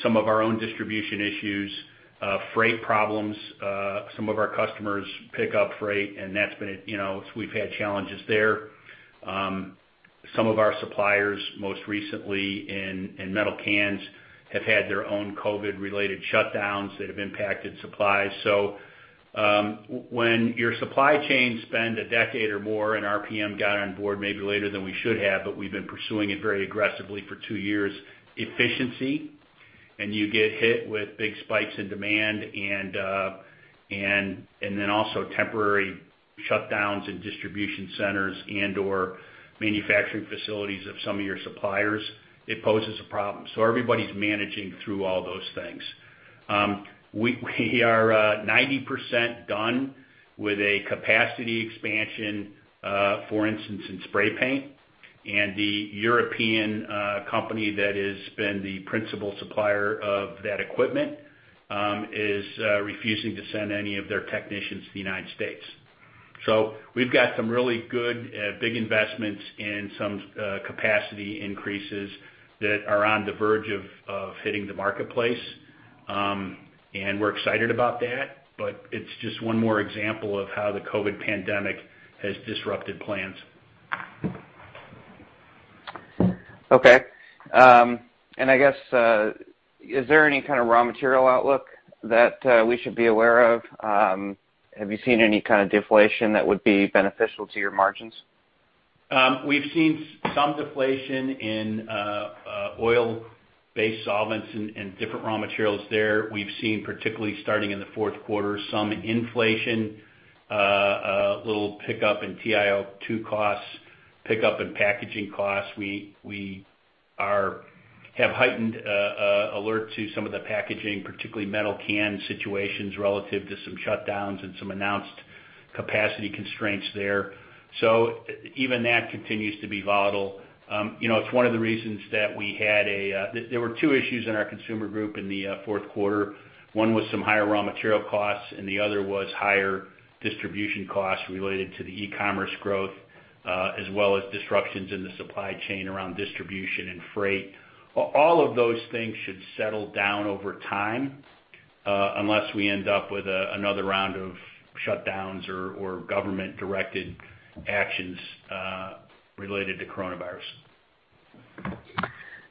some of our own distribution issues, freight problems. Some of our customers pick up freight and we've had challenges there. Some of our suppliers, most recently in metal cans, have had their own COVID-19-related shutdowns that have impacted supply. When your supply chain spend a decade or more, and RPM got on board maybe later than we should have, but we've been pursuing it very aggressively for two years, efficiency, and you get hit with big spikes in demand and then also temporary shutdowns in distribution centers and or manufacturing facilities of some of your suppliers, it poses a problem. Everybody's managing through all those things. We are 90% done with a capacity expansion, for instance, in spray paint, and the European company that has been the principal supplier of that equipment is refusing to send any of their technicians to the U.S. We've got some really good, big investments in some capacity increases that are on the verge of hitting the marketplace. We're excited about that, but it's just one more example of how the COVID-19 pandemic has disrupted plans. Okay. I guess, is there any kind of raw material outlook that we should be aware of? Have you seen any kind of deflation that would be beneficial to your margins? We've seen some deflation in oil-based solvents and different raw materials there. We've seen, particularly starting in the fourth quarter, some inflation, a little pickup in TiO2 costs, pickup in packaging costs. We have heightened alert to some of the packaging, particularly metal can situations relative to some shutdowns and some announced capacity constraints there. Even that continues to be volatile. It's one of the reasons that there were two issues in our Consumer Group in the fourth quarter. One was some higher raw material costs, and the other was higher distribution costs related to the e-commerce growth, as well as disruptions in the supply chain around distribution and freight. All of those things should settle down over time, unless we end up with another round of shutdowns or government-directed actions related to coronavirus.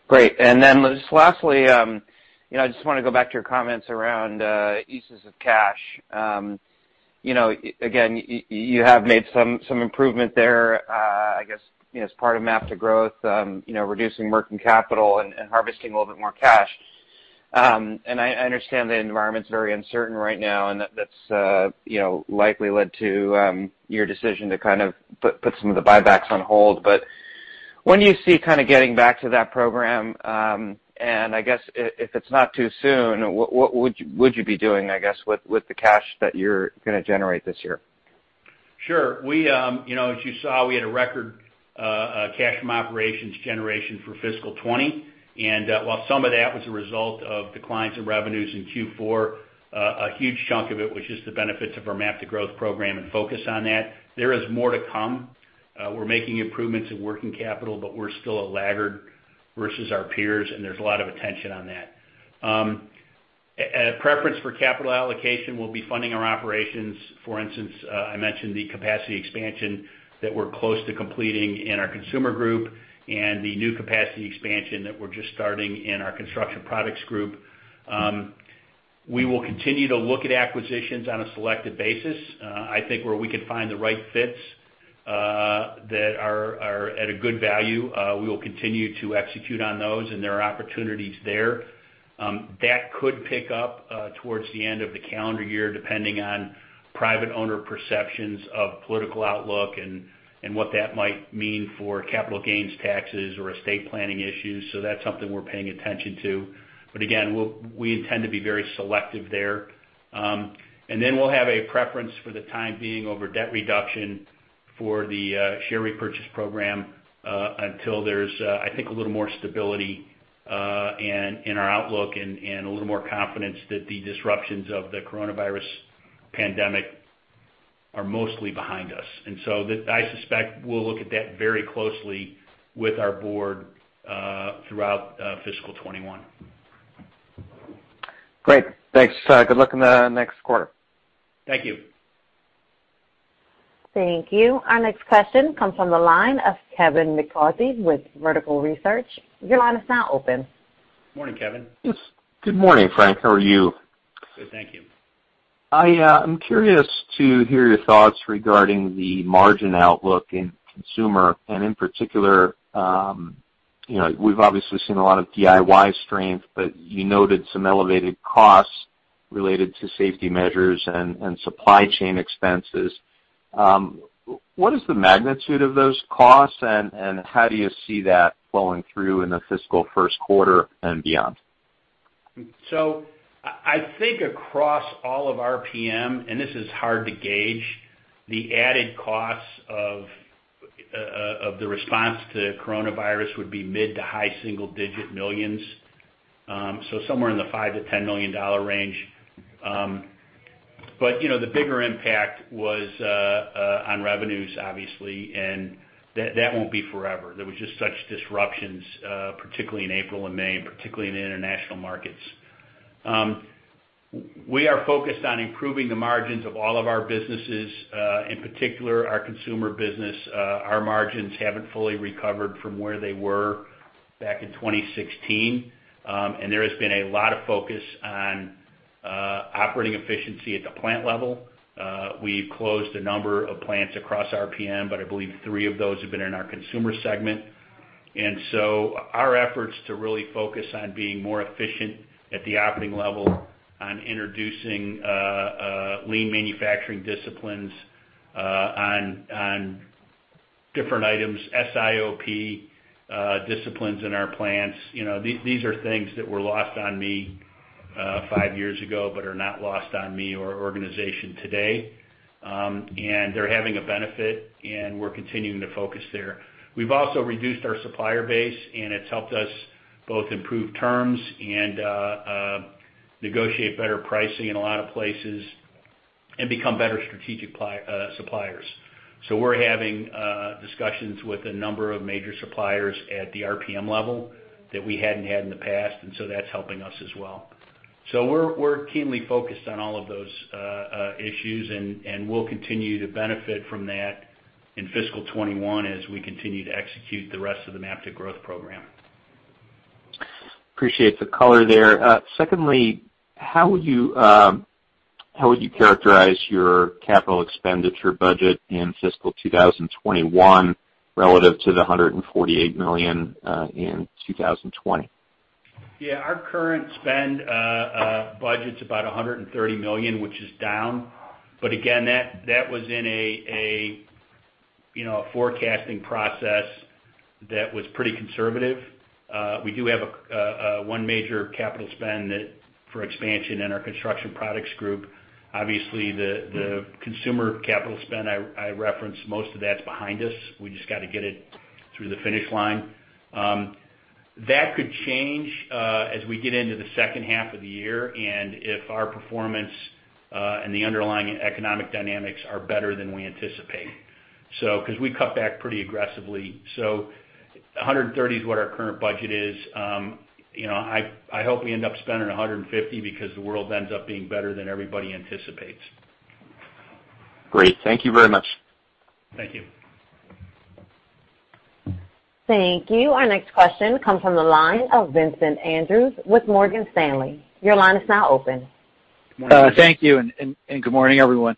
Great. Just lastly, I just want to go back to your comments around uses of cash. Again, you have made some improvement there, I guess, as part of MAP to Growth, reducing working capital and harvesting a little bit more cash. I understand the environment's very uncertain right now, and that's likely led to your decision to kind of put some of the buybacks on hold. When do you see kind of getting back to that program? I guess if it's not too soon, what would you be doing, I guess, with the cash that you're going to generate this year? Sure. As you saw, we had a record cash from operations generation for fiscal 2020. While some of that was a result of declines in revenues in Q4, a huge chunk of it was just the benefits of our MAP to Growth program and focus on that. There is more to come. We're making improvements in working capital, but we're still a laggard versus our peers, and there's a lot of attention on that. A preference for capital allocation will be funding our operations. For instance, I mentioned the capacity expansion that we're close to completing in our Consumer Group and the new capacity expansion that we're just starting in our Construction Products Group. We will continue to look at acquisitions on a selective basis. I think where we can find the right fits that are at a good value, we will continue to execute on those, and there are opportunities there. That could pick up towards the end of the calendar year, depending on private owner perceptions of political outlook and what that might mean for capital gains taxes or estate planning issues. That's something we're paying attention to. Again, we intend to be very selective there. We'll have a preference for the time being over debt reduction for the share repurchase program, until there's, I think, a little more stability in our outlook and a little more confidence that the disruptions of the coronavirus pandemic are mostly behind us. I suspect we'll look at that very closely with our board throughout fiscal 2021. Great. Thanks. Good luck in the next quarter. Thank you. Thank you. Our next question comes from the line of Kevin McCarthy with Vertical Research Partners. Your line is now open. Morning, Kevin. Good morning, Frank. How are you? Good, thank you. I'm curious to hear your thoughts regarding the margin outlook in Consumer, in particular, we've obviously seen a lot of DIY strength, you noted some elevated costs related to safety measures and supply chain expenses. What is the magnitude of those costs, and how do you see that flowing through in the fiscal first quarter and beyond? I think across all of RPM, and this is hard to gauge, the added costs of the response to coronavirus would be mid to high single-digit millions. Somewhere in the $5 million-$10 million range. The bigger impact was on revenues, obviously, and that won't be forever. There was just such disruptions, particularly in April and May, particularly in the international markets. We are focused on improving the margins of all of our businesses, in particular our Consumer business. Our margins haven't fully recovered from where they were back in 2016. There has been a lot of focus on operating efficiency at the plant level. We've closed a number of plants across RPM. I believe three of those have been in our Consumer Segment. Our efforts to really focus on being more efficient at the operating level on introducing lean manufacturing disciplines on different items, SIOP disciplines in our plants, these are things that were lost on me five years ago but are not lost on me or our organization today. They're having a benefit, and we're continuing to focus there. We've also reduced our supplier base, and it's helped us both improve terms and negotiate better pricing in a lot of places and become better strategic suppliers. We're having discussions with a number of major suppliers at the RPM level that we hadn't had in the past, and so that's helping us as well. We're keenly focused on all of those issues, and we'll continue to benefit from that in fiscal 2021 as we continue to execute the rest of the MAP to Growth program. Appreciate the color there. Secondly, how would you characterize your capital expenditure budget in fiscal 2021 relative to the $148 million in 2020? Yeah. Our current spend budget's about $130 million, which is down. Again, that was in a forecasting process that was pretty conservative. We do have one major capital spend for expansion in our Construction Products Group. Obviously, the Consumer capital spend I referenced, most of that's behind us. We just got to get it through the finish line. That could change as we get into the second half of the year and if our performance and the underlying economic dynamics are better than we anticipate. We cut back pretty aggressively. $130 million is what our current budget is. I hope we end up spending $150 million because the world ends up being better than everybody anticipates. Great. Thank you very much. Thank you. Thank you. Our next question comes from the line of Vincent Andrews with Morgan Stanley. Your line is now open. Thank you. Good morning, everyone.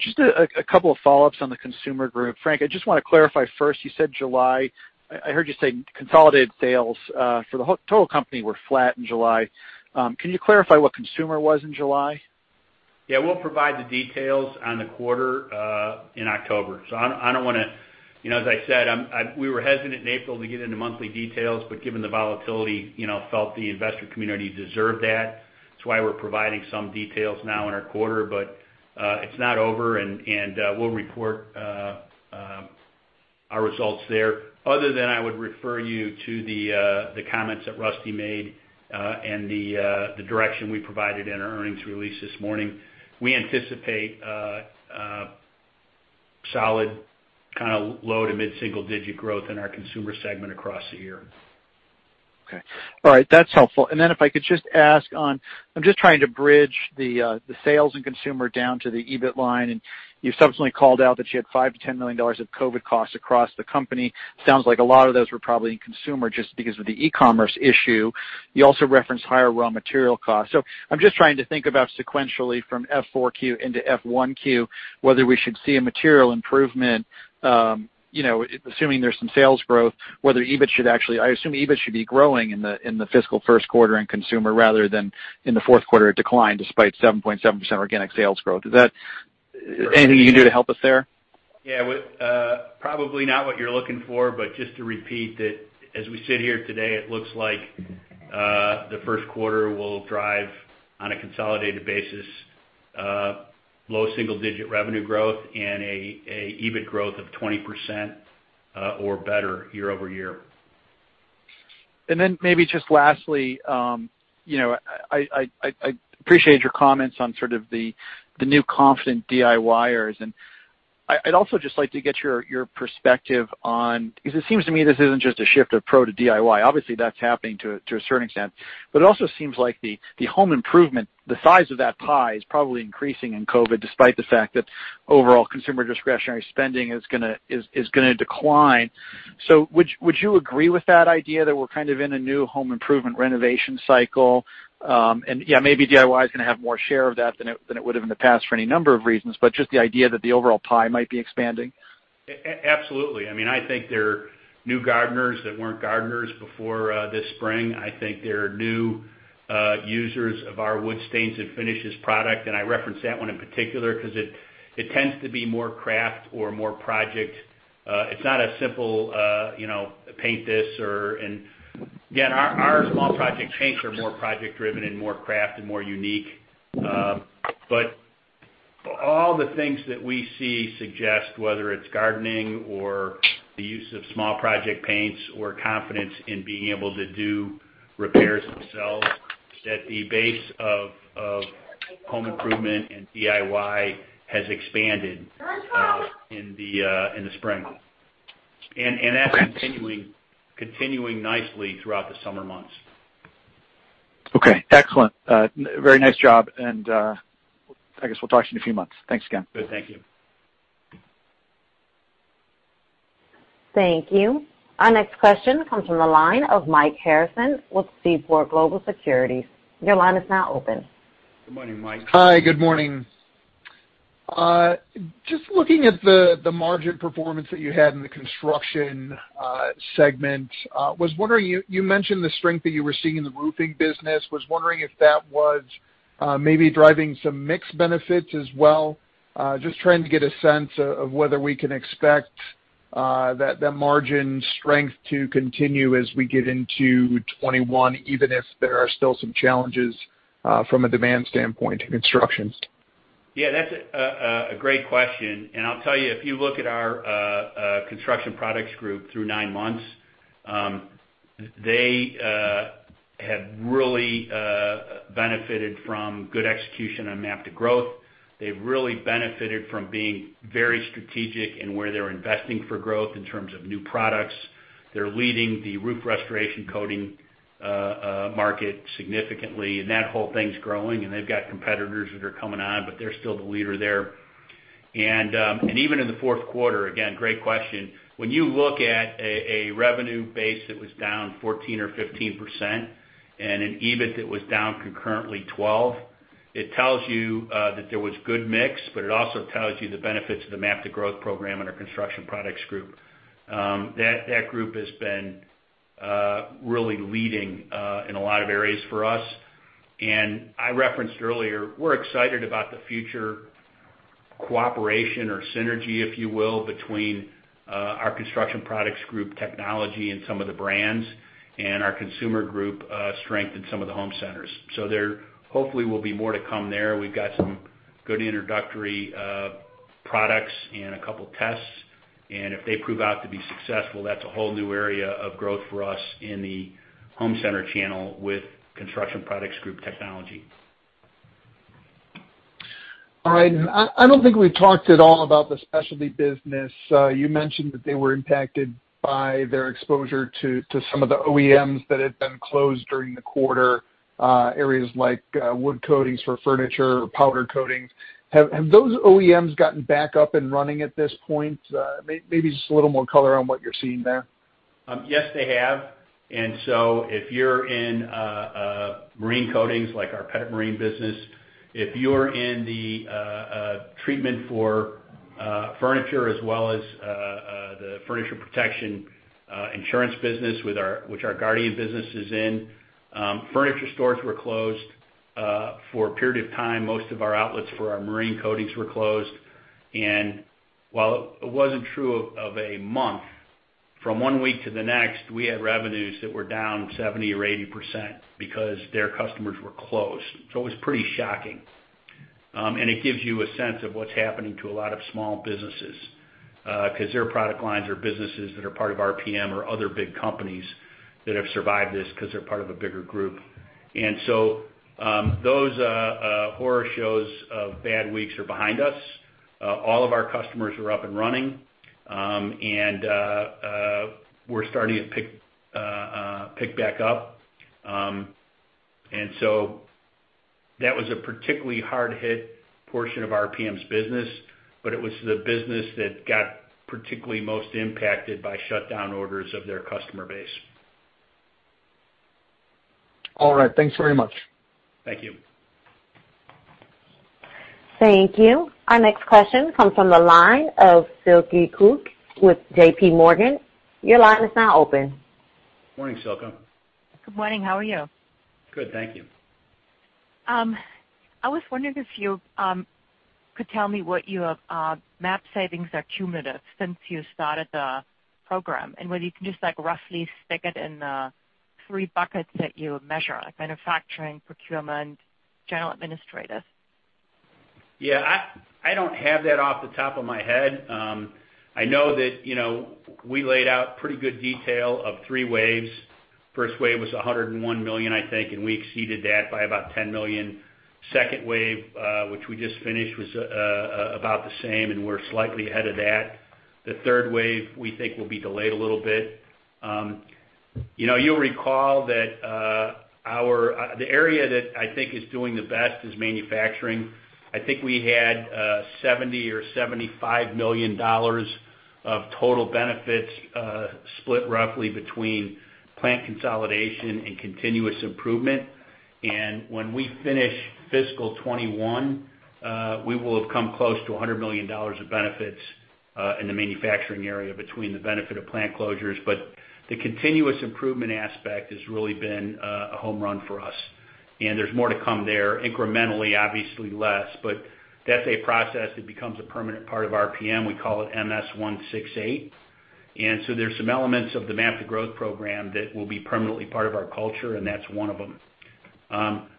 Just a couple of follow-ups on the Consumer group. Frank, I just want to clarify first, you said July. I heard you say consolidated sales for the total company were flat in July. Can you clarify what Consumer was in July? Yeah. We'll provide the details on the quarter in October. As I said, we were hesitant in April to get into monthly details, but given the volatility, felt the investor community deserved that. That's why we're providing some details now in our quarter. It's not over, and we'll report our results there. Other than I would refer you to the comments that Rusty made and the direction we provided in our earnings release this morning. We anticipate a solid kind of low to mid-single digit growth in our Consumer Segment across the year. Okay. All right. That's helpful. If I could just ask on, I'm just trying to bridge the sales and Consumer down to the EBIT line, you've subsequently called out that you had $5 million-$10 million of COVID-19 costs across the company. Sounds like a lot of those were probably in Consumer just because of the e-commerce issue. You also referenced higher raw material costs. I'm just trying to think about sequentially from F4Q into F1Q, whether we should see a material improvement, assuming there's some sales growth, whether EBIT should actually-- I assume EBIT should be growing in the fiscal first quarter in Consumer rather than in the fourth quarter, it declined despite 7.7% organic sales growth. Is there anything you can do to help us there? Yeah. Probably not what you're looking for, but just to repeat that as we sit here today, it looks like the first quarter will drive on a consolidated basis, low single digit revenue growth and an EBIT growth of 20% or better year-over-year. Then maybe just lastly, I appreciate your comments on sort of the new confident DIYers. I'd also just like to get your perspective on because it seems to me this isn't just a shift of pro to DIY. Obviously, that's happening to a certain extent. It also seems like the home improvement, the size of that pie is probably increasing in COVID despite the fact that overall consumer discretionary spending is going to decline. Would you agree with that idea that we're kind of in a new home improvement renovation cycle? Yeah, maybe DIY is going to have more share of that than it would have in the past for any number of reasons, but just the idea that the overall pie might be expanding. Absolutely. I think there are new gardeners that weren't gardeners before this spring. I think there are new users of our wood stains and finishes product, and I reference that one in particular because it tends to be more craft or more project. It's not a simple paint this and again, our small project paints are more project driven and more craft and more unique. All the things that we see suggest whether it's gardening or the use of small project paints or confidence in being able to do repairs themselves, that the base of home improvement and DIY has expanded in the spring. Okay. That's continuing nicely throughout the summer months. Okay, excellent. Very nice job. I guess we'll talk to you in a few months. Thanks again. Good. Thank you. Thank you. Our next question comes from the line of Mike Harrison with Seaport Global Securities. Your line is now open. Good morning, Mike. Hi. Good morning. Just looking at the margin performance that you had in the construction segment, you mentioned the strength that you were seeing in the roofing business. I was wondering if that was maybe driving some mix benefits as well. I was just trying to get a sense of whether we can expect that margin strength to continue as we get into 2021, even if there are still some challenges from a demand standpoint in construction? That's a great question. I'll tell you, if you look at our Construction Products Group through nine months, they have really benefited from good execution on MAP to Growth. They've really benefited from being very strategic in where they're investing for growth in terms of new products. They're leading the roof restoration coating market significantly, and that whole thing's growing, and they've got competitors that are coming on, but they're still the leader there. Even in the fourth quarter, again, great question. When you look at a revenue base that was down 14% or 15%, and an EBIT that was down concurrently 12%, it tells you that there was good mix, but it also tells you the benefits of the MAP to Growth program in our Construction Products Group. That group has been really leading in a lot of areas for us. I referenced earlier, we're excited about the future cooperation or synergy, if you will, between our Construction Products Group technology and some of the brands, and our Consumer Group strength in some of the home centers. There hopefully will be more to come there. We've got some good introductory products and a couple tests, and if they prove out to be successful, that's a whole new area of growth for us in the home center channel with Construction Products Group technology. All right. I don't think we've talked at all about the specialty business. You mentioned that they were impacted by their exposure to some of the OEMs that had been closed during the quarter, areas like wood coatings for furniture, powder coatings. Have those OEMs gotten back up and running at this point? Maybe just a little more color on what you're seeing there. Yes, they have. If you're in marine coatings, like our Pettit Marine business, if you're in the treatment for furniture as well as the furniture protection insurance business, which our Guardian business is in. Furniture stores were closed for a period of time. Most of our outlets for our marine coatings were closed. While it wasn't true of a month, from one week to the next, we had revenues that were down 70% or 80% because their customers were closed. It was pretty shocking. It gives you a sense of what's happening to a lot of small businesses. Their product lines are businesses that are part of RPM or other big companies that have survived this because they're part of a bigger group. Those horror shows of bad weeks are behind us. All of our customers are up and running. We're starting to pick back up. That was a particularly hard-hit portion of RPM's business, but it was the business that got particularly most impacted by shutdown orders of their customer base. All right. Thanks very much. Thank you. Thank you. Our next question comes from the line of Silke Kueck with JPMorgan. Your line is now open. Morning, Silke. Good morning. How are you? Good, thank you. I was wondering if you could tell me what your MAP savings are cumulative since you started the program, and whether you can just roughly stick it in the three buckets that you measure, like Manufacturing, Procurement, General Administrative? Yeah. I don't have that off the top of my head. I know that we laid out pretty good detail of three waves. First wave was $101 million, I think, and we exceeded that by about $10 million. Second wave, which we just finished, was about the same, and we're slightly ahead of that. The third wave, we think will be delayed a little bit. You'll recall that the area that I think is doing the best is manufacturing. I think we had $70 million or $75 million of total benefits split roughly between plant consolidation and continuous improvement. When we finish fiscal 2021, we will have come close to $100 million of benefits in the manufacturing area between the benefit of plant closures. The continuous improvement aspect has really been a home run for us. There's more to come there. Incrementally, obviously less, but that's a process that becomes a permanent part of RPM. We call it MS-168. There's some elements of the MAP to Growth program that will be permanently part of our culture, and that's one of them.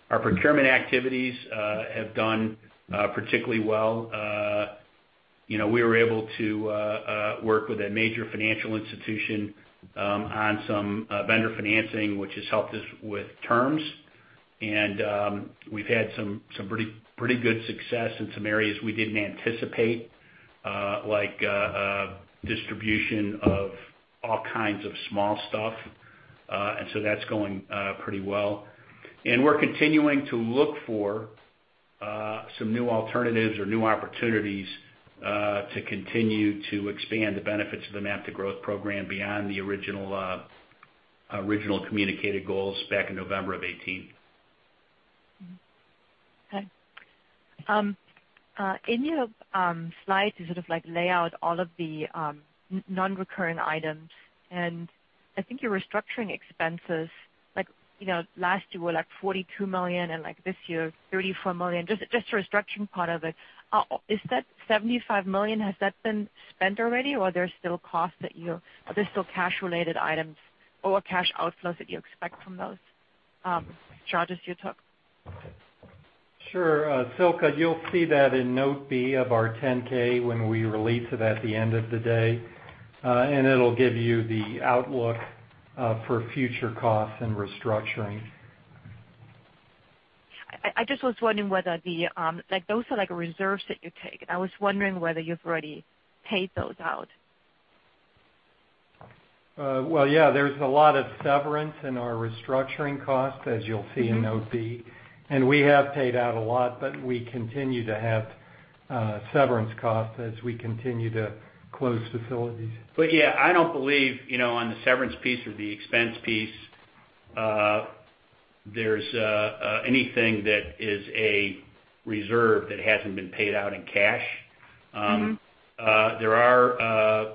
Our procurement activities have done particularly well. We were able to work with a major financial institution on some vendor financing, which has helped us with terms. We've had some pretty good success in some areas we didn't anticipate, like distribution of all kinds of small stuff. That's going pretty well. We're continuing to look for some new alternatives or new opportunities to continue to expand the benefits of the MAP to Growth program beyond the original communicated goals back in November of 2018. Okay. In your slides, you sort of lay out all of the non-recurring items, and I think your restructuring expenses last year were like $42 million, and like this year, $34 million. Just the restructuring part of it. Is that $75 million, has that been spent already or are there still cash-related items or cash outflows that you expect from those charges you took? Sure. Silke, you'll see that in Note B of our 10-K when we release it at the end of the day. It'll give you the outlook for future costs and restructuring. I just was wondering whether those are like reserves that you take, and I was wondering whether you've already paid those out? Well, yeah, there's a lot of severance in our restructuring costs, as you'll see in Note B. We have paid out a lot, but we continue to have severance costs as we continue to close facilities. Yeah, I don't believe, on the severance piece or the expense piece, there's anything that is a reserve that hasn't been paid out in cash. There are,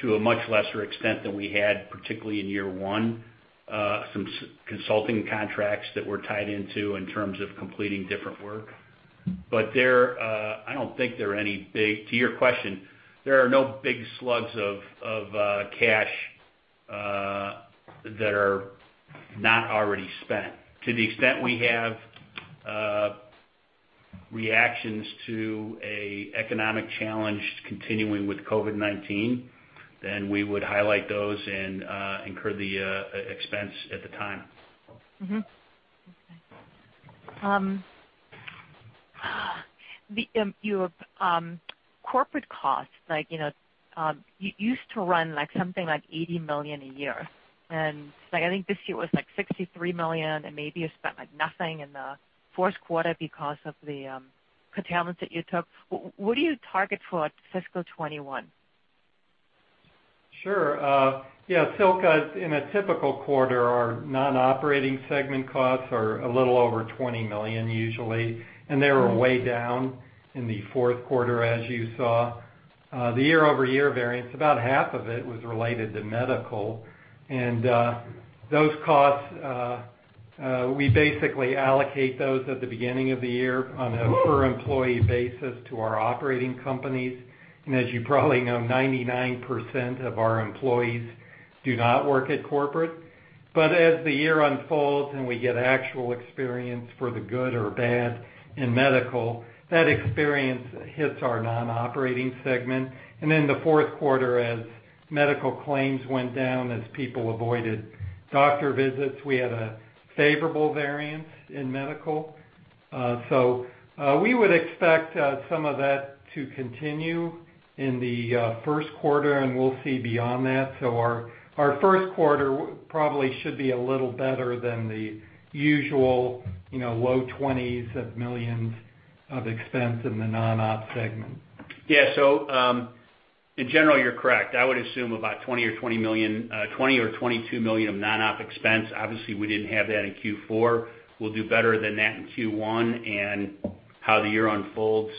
to a much lesser extent than we had, particularly in year one, some consulting contracts that we're tied into in terms of completing different work. I don't think there are any big To your question, there are no big slugs of cash that are not already spent. To the extent we have reactions to a economic challenge continuing with COVID-19, we would highlight those and incur the expense at the time. Okay. Your corporate costs, you used to run something like $80 million a year. I think this year it was like $63 million, and maybe you spent like nothing in the fourth quarter because of the curtailments that you took. What do you target for fiscal 2021? Sure. Yeah, Silke, in a typical quarter, our non-operating segment costs are a little over $20 million usually. They were way down in the fourth quarter, as you saw. The year-over-year variance, about half of it was related to medical. Those costs, we basically allocate those at the beginning of the year on a per-employee basis to our operating companies. As you probably know, 99% of our employees do not work at corporate. As the year unfolds and we get actual experience for the good or bad in medical, that experience hits our non-operating segment. In the fourth quarter, as medical claims went down, as people avoided doctor visits, we had a favorable variance in medical. We would expect some of that to continue in the first quarter, and we'll see beyond that. Our first quarter probably should be a little better than the usual low twenties of millions of dollars expense in the non-op segment. In general, you're correct. I would assume about $20 million or $22 million of non-OpEx. Obviously, we didn't have that in Q4. We'll do better than that in Q1, and how the year unfolds,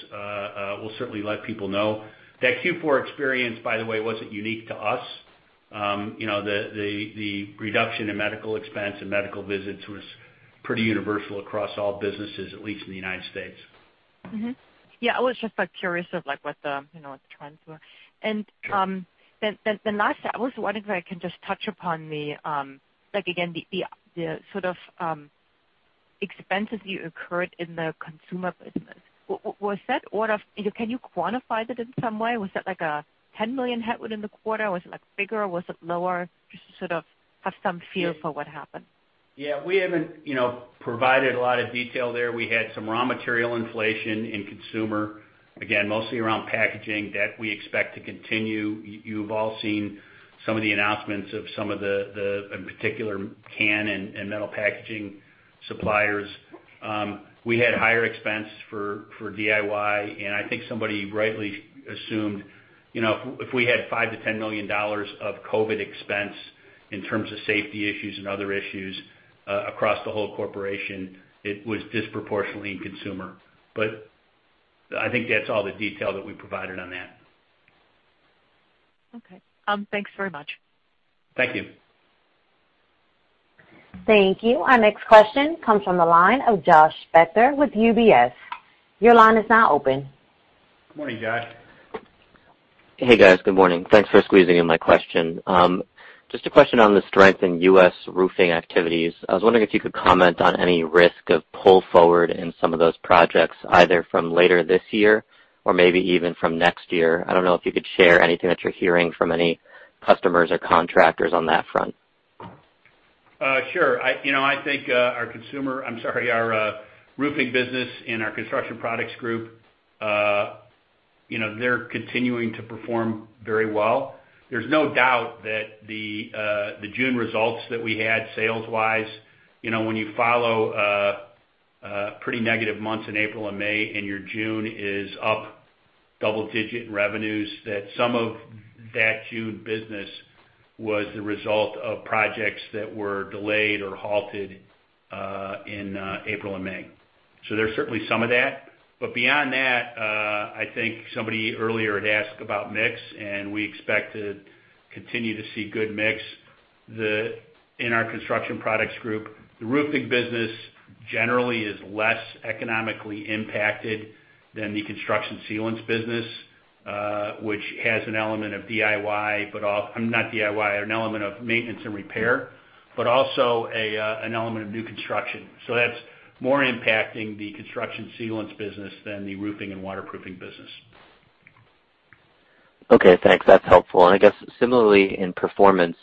we'll certainly let people know. That Q4 experience, by the way, wasn't unique to us. The reduction in medical expense and medical visits was pretty universal across all businesses, at least in the U.S. Yeah, I was just curious of what the trends were. The last, I was wondering if I can just touch upon the, again, the sort of expenses you incurred in the Consumer business. Can you quantify that in some way? Was that like a $10 million hit within the quarter? Was it bigger? Was it lower? Just to sort of have some feel for what happened. Yeah. We haven't provided a lot of detail there. We had some raw material inflation in Consumer, again, mostly around packaging that we expect to continue. You've all seen some of the announcements of some of the, in particular, can and metal packaging suppliers. We had higher expense for DIY, and I think somebody rightly assumed, if we had $5 million-$10 million of COVID expense in terms of safety issues and other issues across the whole corporation, it was disproportionately in Consumer. I think that's all the detail that we provided on that. Okay. Thanks very much. Thank you. Thank you. Our next question comes from the line of Josh Becker with UBS. Your line is now open. Good morning, Josh. Hey, guys. Good morning. Thanks for squeezing in my question. Just a question on the strength in U.S. roofing activities. I was wondering if you could comment on any risk of pull forward in some of those projects, either from later this year or maybe even from next year. I don't know if you could share anything that you're hearing from any customers or contractors on that front. Sure. I think our consumer, I'm sorry, our roofing business and our Construction Products Group, they're continuing to perform very well. There's no doubt that the June results that we had sales-wise, when you followed pretty negative months in April and May, and your June is up double-digit in revenues, that some of that June business was the result of projects that were delayed or halted in April and May. There's certainly some of that. Beyond that, I think somebody earlier had asked about mix, and we expect to continue to see good mix in our Construction Products Group. The roofing business generally is less economically impacted than the construction sealants business, which has an element of DIY, but all, not DIY, an element of maintenance and repair. Also an element of new construction. That's more impacting the construction sealants business than the roofing and waterproofing business. Okay, thanks. That's helpful. I guess similarly in Performance,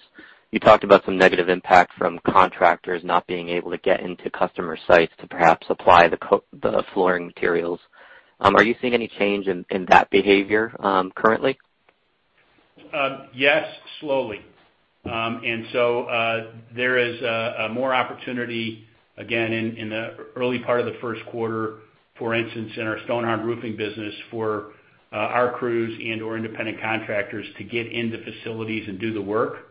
you talked about some negative impact from contractors not being able to get into customer sites to perhaps apply the flooring materials. Are you seeing any change in that behavior currently? Yes, slowly. There is more opportunity, again, in the early part of the first quarter, for instance, in our Stonhard roofing business for our crews and/or independent contractors to get into facilities and do the work.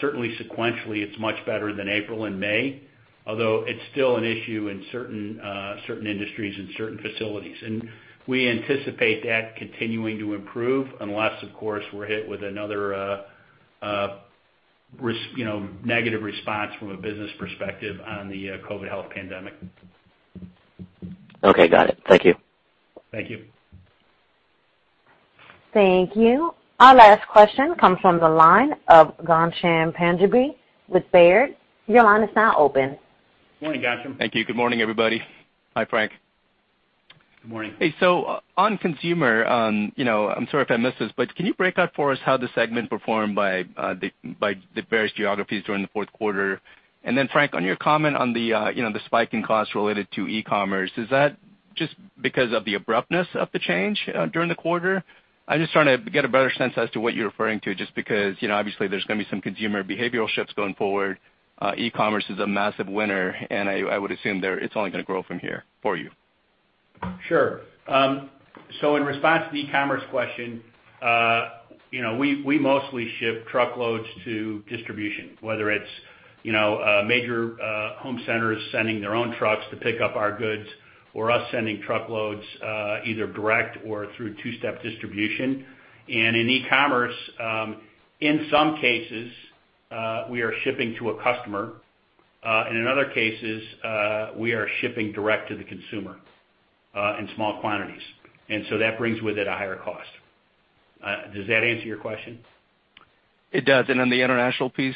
Certainly sequentially, it's much better than April and May, although it's still an issue in certain industries and certain facilities. We anticipate that continuing to improve, unless, of course, we're hit with another negative response from a business perspective on the COVID-19 pandemic. Okay. Got it. Thank you. Thank you. Thank you. Our last question comes from the line of Ghansham Panjabi with Baird. Your line is now open. Morning, Ghansham. Thank you. Good morning, everybody. Hi, Frank. Good morning. Hey, on Consumer, I'm sorry if I missed this, can you break out for us how the segment performed by the various geographies during the fourth quarter? Frank, on your comment on the spiking costs related to e-commerce, is that just because of the abruptness of the change during the quarter? I'm just trying to get a better sense as to what you're referring to, just because obviously there's going to be some consumer behavioral shifts going forward. E-commerce is a massive winner, I would assume that it's only going to grow from here for you. Sure. In response to the e-commerce question, we mostly ship truckloads to distribution, whether it's major home centers sending their own trucks to pick up our goods or us sending truckloads either direct or through two-step distribution. In e-commerce, in some cases, we are shipping to a customer. In other cases, we are shipping direct to the consumer in small quantities. That brings with it a higher cost. Does that answer your question? It does. On the international piece?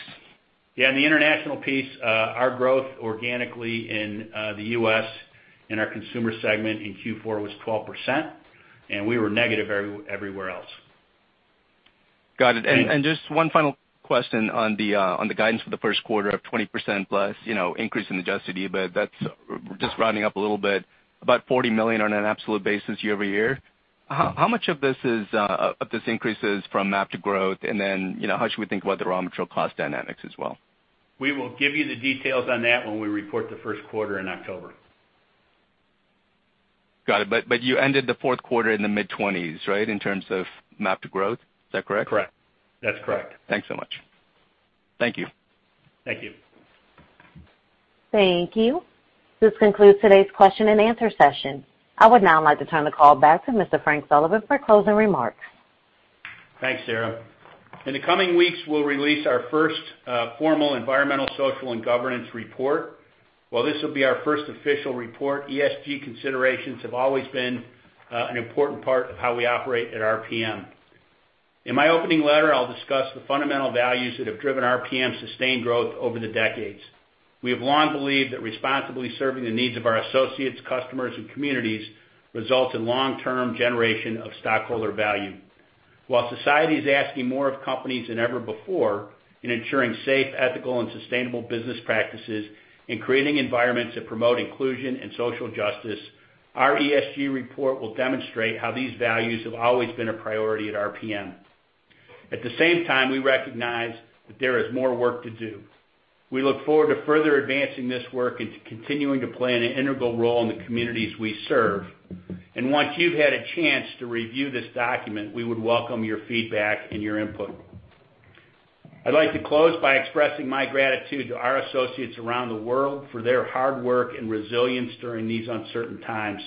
Yeah, on the international piece, our growth organically in the U.S. in our Consumer Segment in Q4 was 12%, and we were negative everywhere else. Got it. Thanks. Just one final question on the guidance for the first quarter of 20%+ increase in adjusted EBIT. That's just rounding up a little bit, about $40 million on an absolute basis year-over-year. How much of this increase is from MAP to Growth, and then how should we think about the raw material cost dynamics as well? We will give you the details on that when we report the first quarter in October. Got it. You ended the fourth quarter in the mid-20s, right? In terms of MAP to growth. Is that correct? Correct. That's correct. Thanks so much. Thank you. Thank you. Thank you. This concludes today's question and answer session. I would now like to turn the call back to Mr. Frank Sullivan for closing remarks. Thanks, Sarah. In the coming weeks, we'll release our first formal environmental, social, and governance report. While this will be our first official report, ESG considerations have always been an important part of how we operate at RPM. In my opening letter, I'll discuss the fundamental values that have driven RPM's sustained growth over the decades. We have long believed that responsibly serving the needs of our associates, customers, and communities results in long-term generation of stockholder value. While society is asking more of companies than ever before in ensuring safe, ethical, and sustainable business practices, in creating environments that promote inclusion and social justice, our ESG report will demonstrate how these values have always been a priority at RPM. At the same time, we recognize that there is more work to do. We look forward to further advancing this work and to continuing to play an integral role in the communities we serve. Once you've had a chance to review this document, we would welcome your feedback and your input. I'd like to close by expressing my gratitude to our associates around the world for their hard work and resilience during these uncertain times.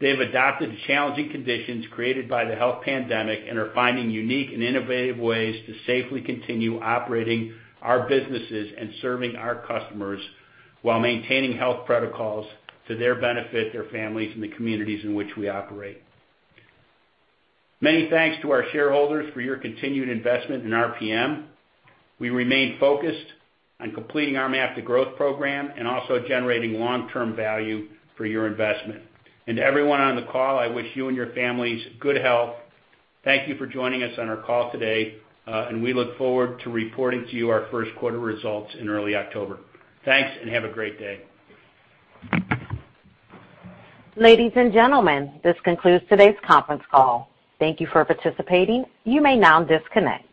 They have adapted to challenging conditions created by the health pandemic and are finding unique and innovative ways to safely continue operating our businesses and serving our customers while maintaining health protocols to their benefit, their families, and the communities in which we operate. Many thanks to our shareholders for your continued investment in RPM. We remain focused on completing our MAP to Growth program and also generating long-term value for your investment. To everyone on the call, I wish you and your families good health. Thank you for joining us on our call today, and we look forward to reporting to you our first quarter results in early October. Thanks, and have a great day. Ladies and gentlemen, this concludes today's conference call. Thank you for participating. You may now disconnect.